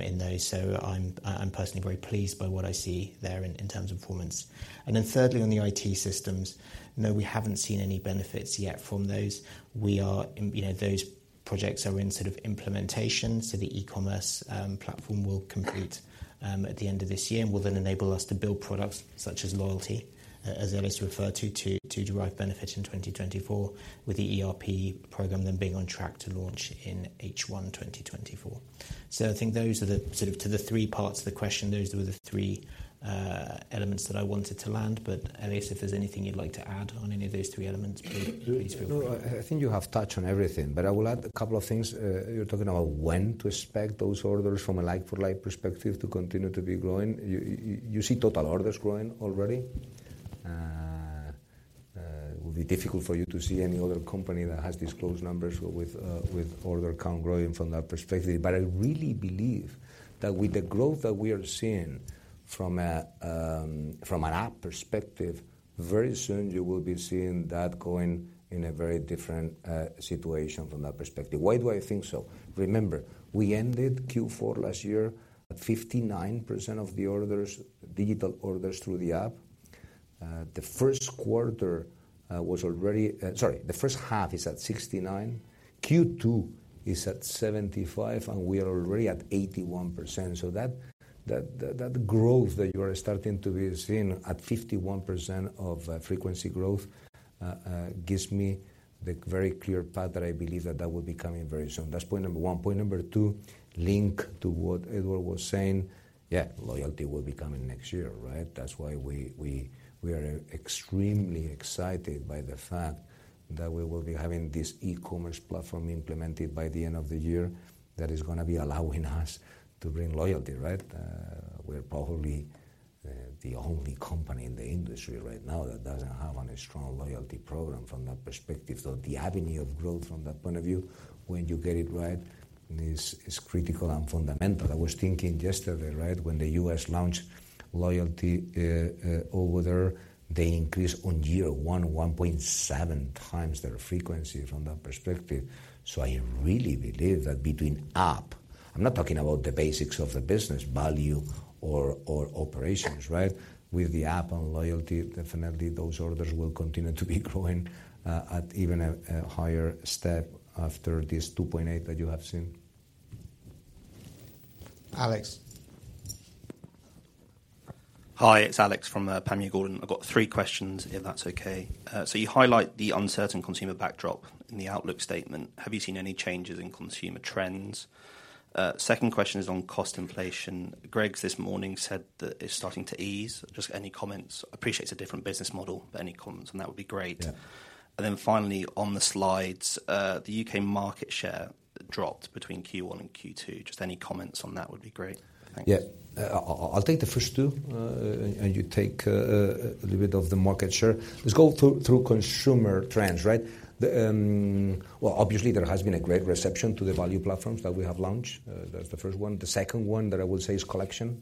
[SPEAKER 3] in those. I'm, I'm personally very pleased by what I see there in, in terms of performance. Thirdly, on the IT systems, no, we haven't seen any benefits yet from those. We are, you know, those projects are in sort of implementation, so the e-commerce platform will complete at the end of this year, and will then enable us to build products such as loyalty, as Alexis referred to, to, to derive benefits in 2024, with the ERP program then being on track to launch in H1 2024. I think those are the, sort of to the 3 parts of the question, those were the 3 elements that I wanted to land. Alexis, if there's anything you'd like to add on any of those 3 elements, please, please feel free.
[SPEAKER 1] I, I think you have touched on everything, but I will add a couple of things. You're talking about when to expect those orders from a like-for-like perspective to continue to be growing. You, you, you see total orders growing already. It will be difficult for you to see any other company that has disclosed numbers with order count growing from that perspective. I really believe that with the growth that we are seeing from an app perspective, very soon you will be seeing that going in a very different situation from that perspective. Why do I think so? Remember, we ended Q4 last year at 59% of the orders, digital orders through the app. The first quarter, was already... Sorry, the first half is at 69, Q2 is at 75, we are already at 81%. That, that, that growth that you are starting to be seeing at 51% of frequency growth gives me the very clear path that I believe that that will be coming very soon. That's point number one. Point number two, link to what Edward was saying, yeah, loyalty will be coming next year, right? That's why we, we, we are extremely excited by the fact that we will be having this e-commerce platform implemented by the end of the year. That is gonna be allowing us to bring loyalty, right? We're probably the only company in the industry right now that doesn't have a strong loyalty program from that perspective. The avenue of growth from that point of view, when you get it right, is, is critical and fundamental. I was thinking yesterday, right, when the U.S. launched loyalty over there, they increased on year one, 1.7 times their frequency from that perspective. I really believe that between app, I'm not talking about the basics of the business, value or, or operations, right? With the app and loyalty, definitely those orders will continue to be growing at even a higher step after this 2.8 that you have seen. Alex?
[SPEAKER 5] Hi, it's Alex from Panmure Gordon. I've got three questions, if that's okay. You highlight the uncertain consumer backdrop in the outlook statement. Have you seen any changes in consumer trends? Second question is on cost inflation. Greggs this morning said that it's starting to ease. Just any comments? Appreciate it's a different business model, but any comments, and that would be great.
[SPEAKER 1] Yeah.
[SPEAKER 5] Then finally, on the slides, the UK market share dropped between Q1 and Q2. Just any comments on that would be great. Thanks.
[SPEAKER 1] Yeah. I'll, I'll take the first two, and you take a little bit of the market share. Let's go through, through consumer trends, right? The, Well, obviously there has been a great reception to the value platforms that we have launched. That's the first one. The second one that I would say is collection.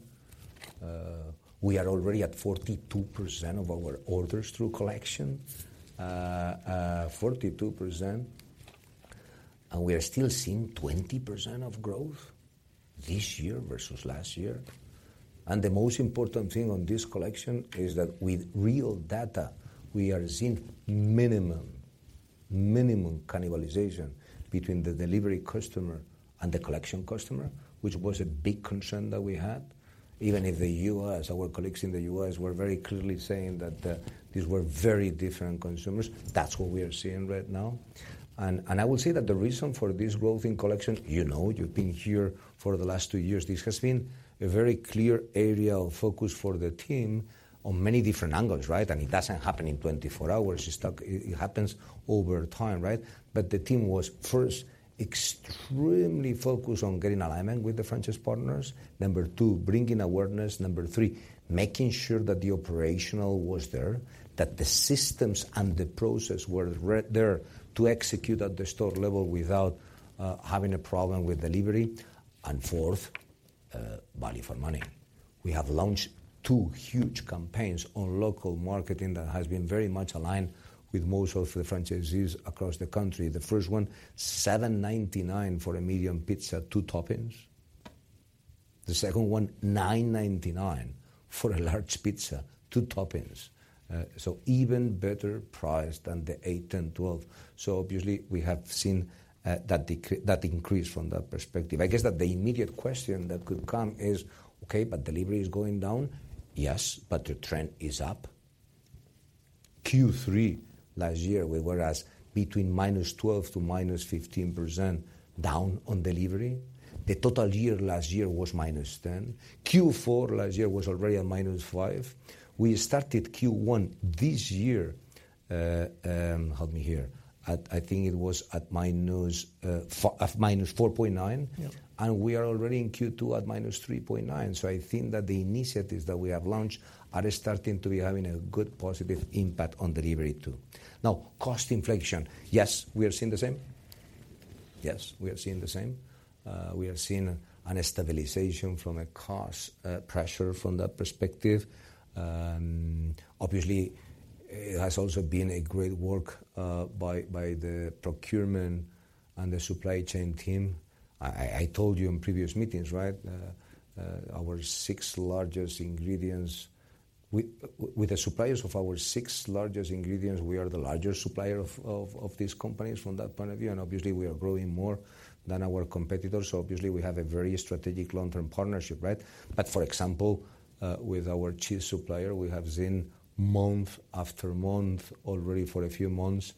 [SPEAKER 1] We are already at 42% of our orders through collection. 42%, we are still seeing 20% of growth this year versus last year. The most important thing on this collection is that with real data, we are seeing minimum, minimum cannibalization between the delivery customer and the collection customer, which was a big concern that we had. Even in the U.S., our colleagues in the U.S., were very clearly saying that these were very different consumers. That's what we are seeing right now. I would say that the reason for this growth in collection, you know, you've been here for the last two years, this has been a very clear area of focus for the team on many different angles, right? It doesn't happen in 24 hours. It happens over time, right? The team was first extremely focused on getting alignment with the franchise partners. Number two, bringing awareness. Number three, making sure that the operational was there, that the systems and the process were there to execute at the store level without having a problem with delivery. Fourth, value for money. We have launched two huge campaigns on local marketing that has been very much aligned with most of the franchisees across the country. The first one, 7.99 for a medium pizza, two toppings. The second one, 9.99 for a large pizza, two toppings. Even better price than the 8, 10, GBP 12. Obviously, we have seen that increase from that perspective. I guess that the immediate question that could come is: Okay, but delivery is going down? Yes, but the trend is up. Q3 last year, we were as between -12% to -15% down on delivery. The total year last year was -10%. Q4 last year was already at -5%. We started Q1 this year, help me here, at, I think it was at -4.9%.
[SPEAKER 3] Yeah.
[SPEAKER 1] We are already in Q2 at -3.9. I think that the initiatives that we have launched are starting to be having a good positive impact on delivery, too. Cost inflation, yes, we are seeing the same? Yes, we are seeing the same. We are seeing a stabilization from a cost pressure from that perspective. Obviously, it has also been a great work by the procurement and the supply chain team. I, I, I told you in previous meetings, right, our 6 largest ingredients, with the suppliers of our 6 largest ingredients, we are the largest supplier of, of, of these companies from that point of view, and obviously, we are growing more than our competitors, so obviously, we have a very strategic long-term partnership, right? For example, with our cheese supplier, we have seen month after month, already for a few months,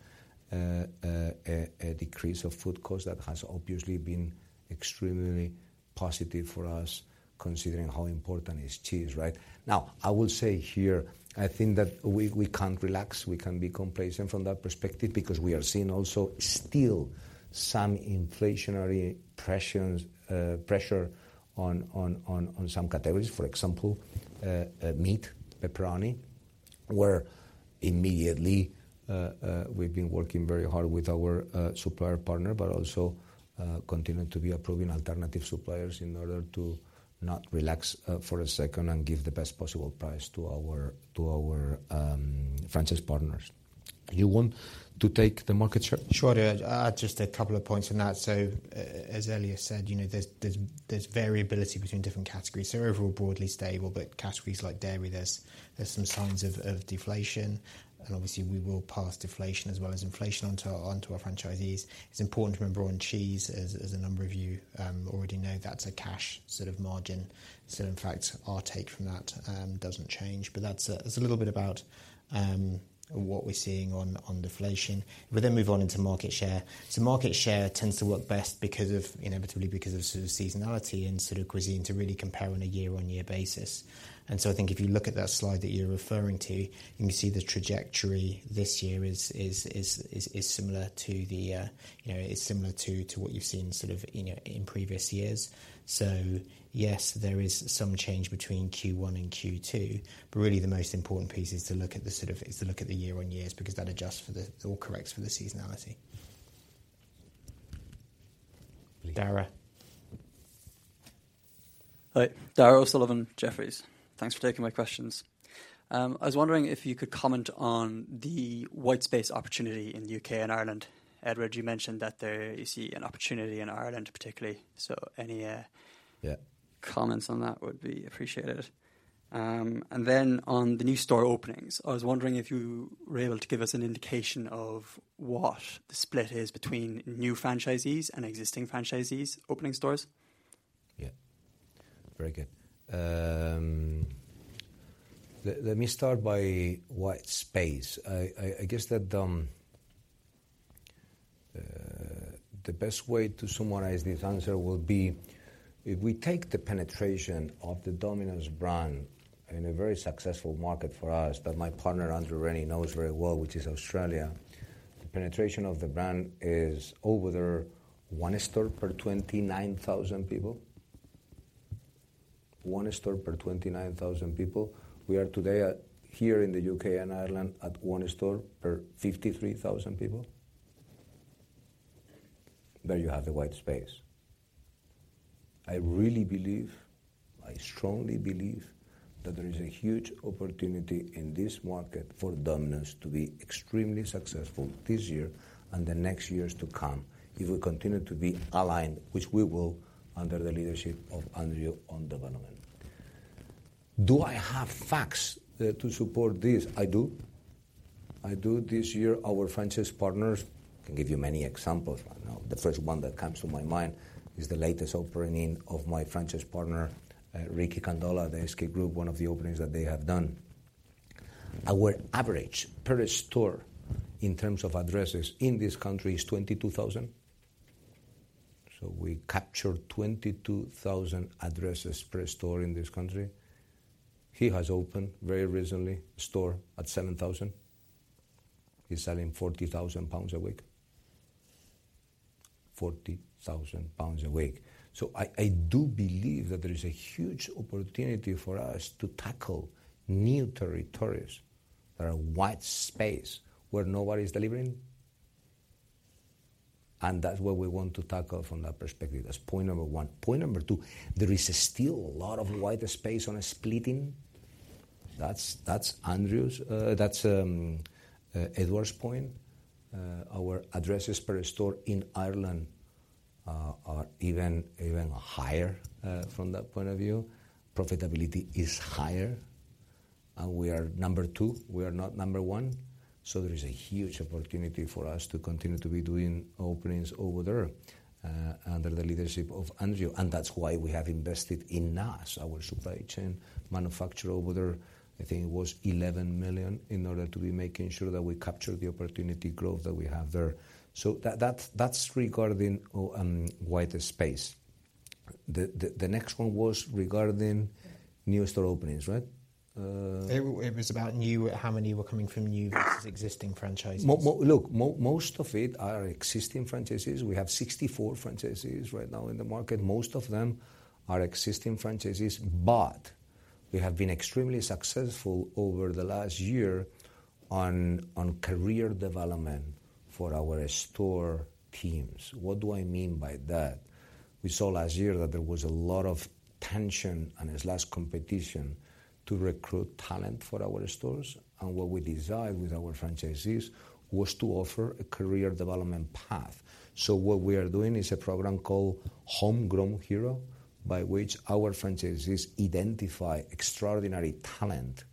[SPEAKER 1] a decrease of food cost. That has obviously been extremely positive for us, considering how important is cheese, right? Now, I will say here, I think that we, we can't relax, we can't be complacent from that perspective, because we are seeing also still some inflationary pressures, pressure on some categories. For example, meat, pepperoni, where immediately, we've been working very hard with our supplier partner, but also, continuing to be approving alternative suppliers in order to not relax for a second and give the best possible price to our, to our franchise partners. You want to take the market share?
[SPEAKER 2] Sure, I'll add just a couple of points on that. As earlier said, you know, there's, there's, there's variability between different categories. Overall, broadly stable, but categories like dairy, there's, there's some signs of, of deflation, and obviously, we will pass deflation as well as inflation onto our, onto our franchisees. It's important to remember on cheese, as, as a number of you, already know, that's a cash sort of margin, so in fact, our take from that, doesn't change. That's a, that's a little bit about, what we're seeing on, on deflation. We move on into market share. Market share tends to work best because of, inevitably because of sort of seasonality and sort of cuisine to really compare on a year-on-year basis. I think if you look at that slide that you're referring to, you can see the trajectory this year is similar to the, you know, is similar to what you've seen sort of in previous years. So yes, there is some change between Q1 and Q2, but really, the most important piece is to look at the year-on-years, because that adjusts for the or corrects for the seasonality.
[SPEAKER 1] Dara?
[SPEAKER 6] Hi. Daragh O'Sullivan, Jefferies. Thanks for taking my questions. I was wondering if you could comment on the white space opportunity in the UK and Ireland. Edward, you mentioned that there you see an opportunity in Ireland, particularly, so any.
[SPEAKER 1] Yeah ...
[SPEAKER 6] comments on that would be appreciated. Then on the new store openings, I was wondering if you were able to give us an indication of what the split is between new franchisees and existing franchisees opening stores?
[SPEAKER 1] Yeah. Very good. Let me start by white space. I, I, I guess that the best way to summarize this answer will be, if we take the penetration of the Domino's brand in a very successful market for us, that my partner, Andrew Rennie, knows very well, which is Australia, the penetration of the brand is over 1 store per 29,000 people. 1 store per 29,000 people. We are today at, here in the UK and Ireland, at 1 store per 53,000 people. There you have the white space. I really believe, I strongly believe, that there is a huge opportunity in this market for Domino's to be extremely successful this year and the next years to come, if we continue to be aligned, which we will, under the leadership of Andrew on development. Do I have facts to support this? I do. I do. This year, our franchise partners, I can give you many examples right now. The first one that comes to my mind is the latest opening of my franchise partner, Ricky Kandola, the Escape Group, one of the openings that they have done. Our average per store, in terms of addresses in this country, is 22,000. We capture 22,000 addresses per store in this country. He has opened, very recently, a store at 7,000. He's selling 40,000 pounds a week. 40,000 pounds a week. I, I do believe that there is a huge opportunity for us to tackle new territories that are white space, where nobody's delivering, and that's what we want to tackle from that perspective. That's point number 1. Point number 2, there is still a lot of white space on splitting. That's, that's Andrew's, that's Edward's point. Our addresses per store in Ireland are even, even higher, from that point of view. Profitability is higher. We are number two, we are not number one, so there is a huge opportunity for us to continue to be doing openings over there under the leadership of Andrew. That's why we have invested in Naas, our supply chain manufacturer over there. I think it was 11 million in order to be making sure that we capture the opportunity growth that we have there. That, that, that's regarding white space. The, the, the next one was regarding new store openings, right?
[SPEAKER 2] It was about new, how many were coming from new versus existing franchises.
[SPEAKER 1] Look, most of it are existing franchises. We have 64 franchises right now in the market. Most of them are existing franchises. We have been extremely successful over the last year on career development for our store teams. What do I mean by that? We saw last year that there was a lot of tension and there's less competition to recruit talent for our stores, and what we desired with our franchisees was to offer a career development path. What we are doing is a program called Homegrown Heroes, by which our franchisees identify extraordinary talent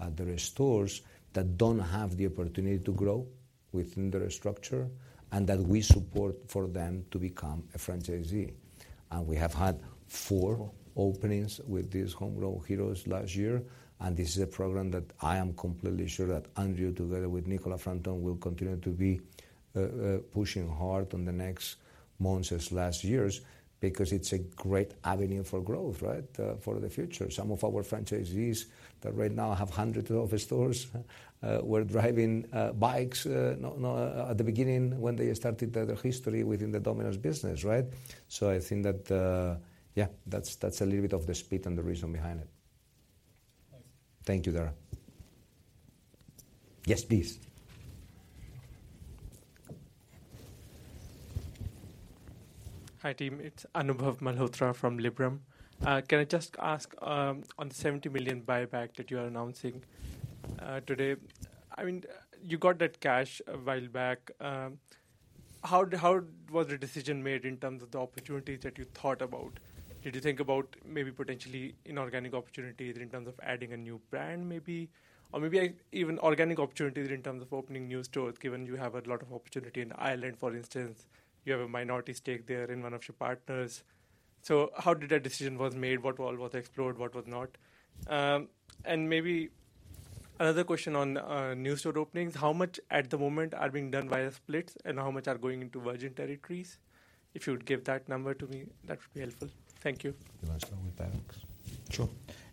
[SPEAKER 1] at their stores that don't have the opportunity to grow within their structure, and that we support for them to become a franchisee. We have had four openings with these Homegrown Heroes last year. This is a program that I am completely sure that Andrew, together with Nicola Frampton, will continue to be pushing hard on the next months as last years, because it's a great avenue for growth, right, for the future. Some of our franchisees that right now have hundreds of stores were driving bikes at the beginning when they started their history within the Domino's business, right? I think that, yeah, that's, that's a little bit of the speed and the reason behind it.
[SPEAKER 6] Thanks.
[SPEAKER 1] Thank you, Dara. Yes, please.
[SPEAKER 7] Hi, team. It's Anubhav Malhotra from Liberum. Can I just ask on the 70 million buyback that you are announcing today? I mean, you got that cash a while back. How, how was the decision made in terms of the opportunities that you thought about? Did you think about maybe potentially inorganic opportunities in terms of adding a new brand, maybe? Or maybe even organic opportunities in terms of opening new stores, given you have a lot of opportunity in Ireland, for instance, you have a minority stake there in one of your partners. How did that decision was made? What all was explored, what was not? Maybe another question on new store openings. How much, at the moment, are being done via splits, and how much are going into virgin territories? If you would give that number to me, that would be helpful. Thank you.
[SPEAKER 1] You want to start with buybacks?
[SPEAKER 3] Sure.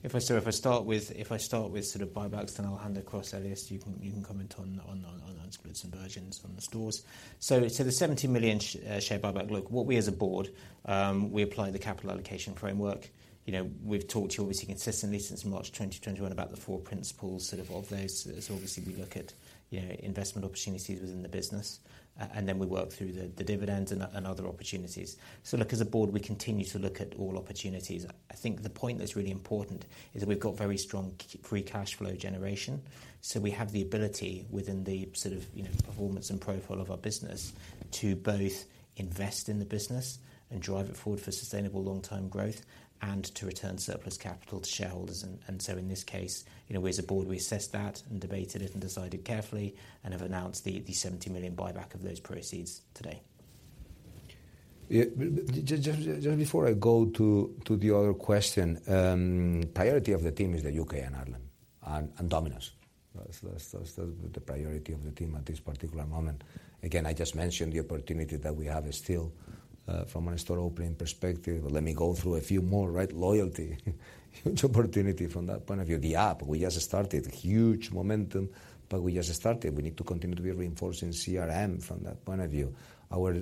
[SPEAKER 3] If I start with sort of buybacks, then I'll hand across, Elias, you can, you can comment on the splits and virgins on the stores. The 70 million share buyback, look, what we as a board, we apply the capital allocation framework. You know, we've talked to you obviously consistently since March 2021 about the four principles sort of of those. Obviously, we look at, you know, investment opportunities within the business, and then we work through the dividends and other opportunities. Look, as a board, we continue to look at all opportunities. I think the point that's really important is that we've got very strong free cash flow generation. We have the ability within the sort of, you know, performance and profile of our business, to both invest in the business and drive it forward for sustainable long-term growth and to return surplus capital to shareholders. In this case, you know, as a board, we assessed that and debated it and decided carefully and have announced the 70 million buyback of those proceeds today.
[SPEAKER 1] Yeah, just before I go to the other question, priority of the team is the UK and Ireland and Domino's. That's, that's, that's the priority of the team at this particular moment. Again, I just mentioned the opportunity that we have is still from a store opening perspective. Let me go through a few more, right? Loyalty, huge opportunity from that point of view. The app, we just started, huge momentum, but we just started. We need to continue to be reinforcing CRM from that point of view. Our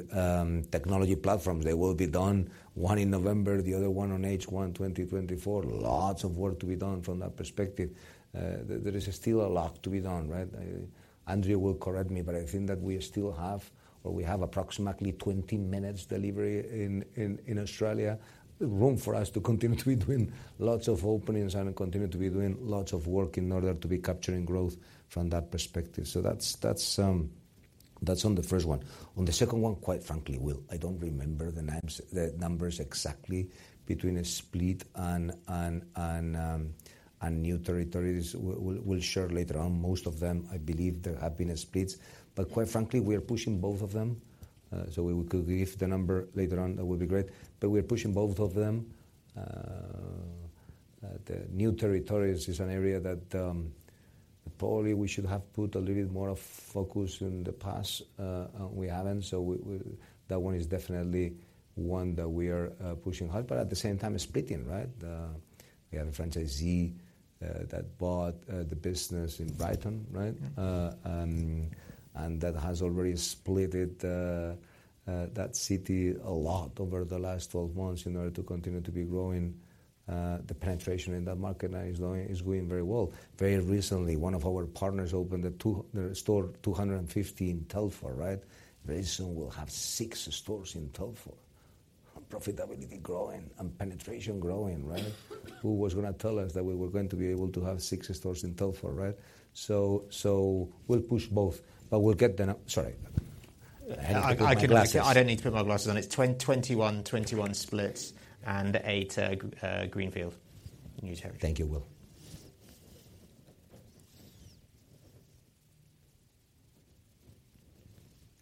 [SPEAKER 1] technology platforms, they will be done, one in November, the other one on H1 2024. Lots of work to be done from that perspective. There, there is still a lot to be done, right? Andrew will correct me, but I think that we still have, or we have approximately 20 minutes delivery in, in, in Australia. Room for us to continue to be doing lots of openings and continue to be doing lots of work in order to be capturing growth from that perspective. That's, that's, that's on the first one. On the second one, quite frankly, Will, I don't remember the names, the numbers exactly between a split and, and, and, and new territories. We'll, we'll share later on. Most of them, I believe, there have been splits. Quite frankly, we are pushing both of them, so we, we could give the number later on, that would be great. We're pushing both of them. The new territories is an area that, probably we should have put a little bit more of focus in the past, and we haven't. That one is definitely one that we are pushing hard, but at the same time, splitting, right? We have a franchisee that bought the business in Brighton, right?
[SPEAKER 3] Yeah.
[SPEAKER 1] And that has already splitted that city a lot over the last 12 months in order to continue to be growing. The penetration in that market now is going, is going very well. Very recently, one of our partners opened a store 250 in Telford, right? Very soon, we'll have six stores in Telford. Profitability growing and penetration growing, right? Who was gonna tell us that we were going to be able to have six stores in Telford, right? We'll push both, we'll get the Sorry. I have to put my glasses on.
[SPEAKER 3] I, I can... I don't need to put my glasses on. It's 21, 21 splits and 8 greenfield new territory.
[SPEAKER 1] Thank you, Will.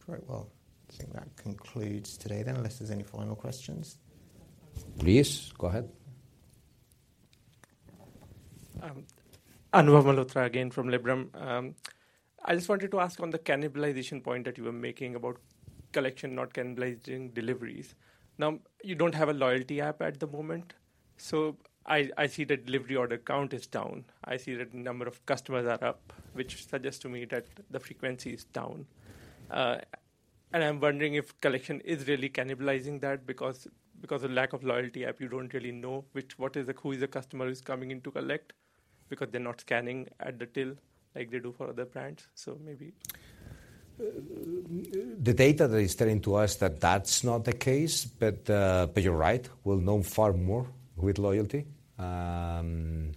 [SPEAKER 3] Great. Well, I think that concludes today then, unless there's any final questions.
[SPEAKER 1] Please, go ahead.
[SPEAKER 7] Anubhav Malhotra again from Liberum. I just wanted to ask on the cannibalization point that you were making about collection not cannibalizing deliveries. Now, you don't have a loyalty app at the moment, so I, I see the delivery order count is down. I see that the number of customers are up, which suggests to me that the frequency is down. I'm wondering if collection is really cannibalizing that, because, because of lack of loyalty app, you don't really know which, what is the-- who is the customer who's coming in to collect, because they're not scanning at the till like they do for other brands, so maybe?
[SPEAKER 1] The data that is telling to us that that's not the case, but you're right, we'll know far more with loyalty. We'll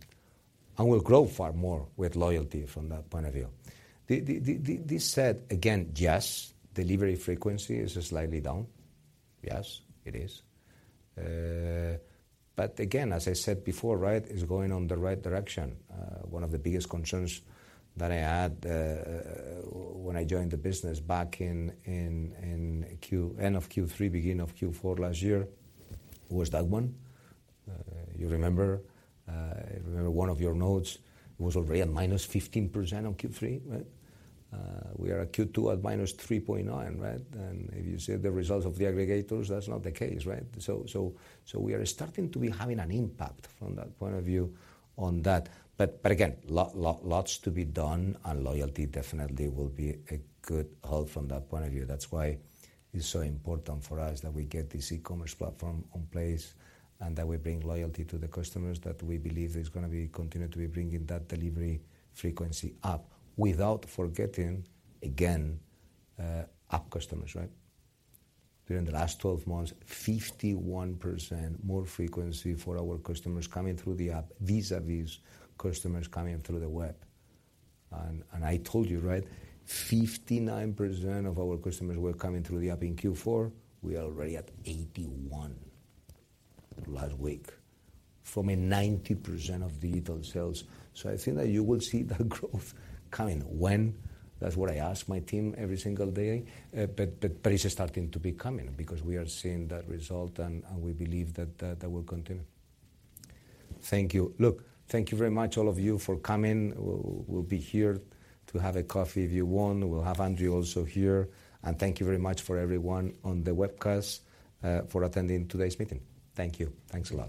[SPEAKER 1] grow far more with loyalty from that point of view. This said, again, yes, delivery frequency is slightly down. Yes, it is. Again, as I said before, right, it's going on the right direction. One of the biggest concerns that I had when I joined the business back in end of Q3, beginning of Q4 last year, was that one. You remember, I remember one of your notes was already at minus 15% on Q3, right? We are at Q2 at minus 3.9, right? If you see the results of the aggregators, that's not the case, right? We are starting to be having an impact from that point of view on that. Again, lots to be done, and loyalty definitely will be a good help from that point of view. That's why it's so important for us that we get this e-commerce platform in place, and that we bring loyalty to the customers that we believe is gonna be continue to be bringing that delivery frequency up, without forgetting, again, app customers, right? During the last 12 months, 51% more frequency for our customers coming through the app, vis-a-vis customers coming through the web. I told you, right, 59% of our customers were coming through the app in Q4. We are already at 81% last week, from a 90% of digital sales. I think that you will see that growth coming. When? That's what I ask my team every single day. But, but it's starting to be coming, because we are seeing that result, and, and we believe that that, that will continue. Thank you. Look, thank you very much, all of you, for coming. We'll, we'll be here to have a coffee if you want. We'll have Andrew also here, and thank you very much for everyone on the webcast, for attending today's meeting. Thank you. Thanks a lot.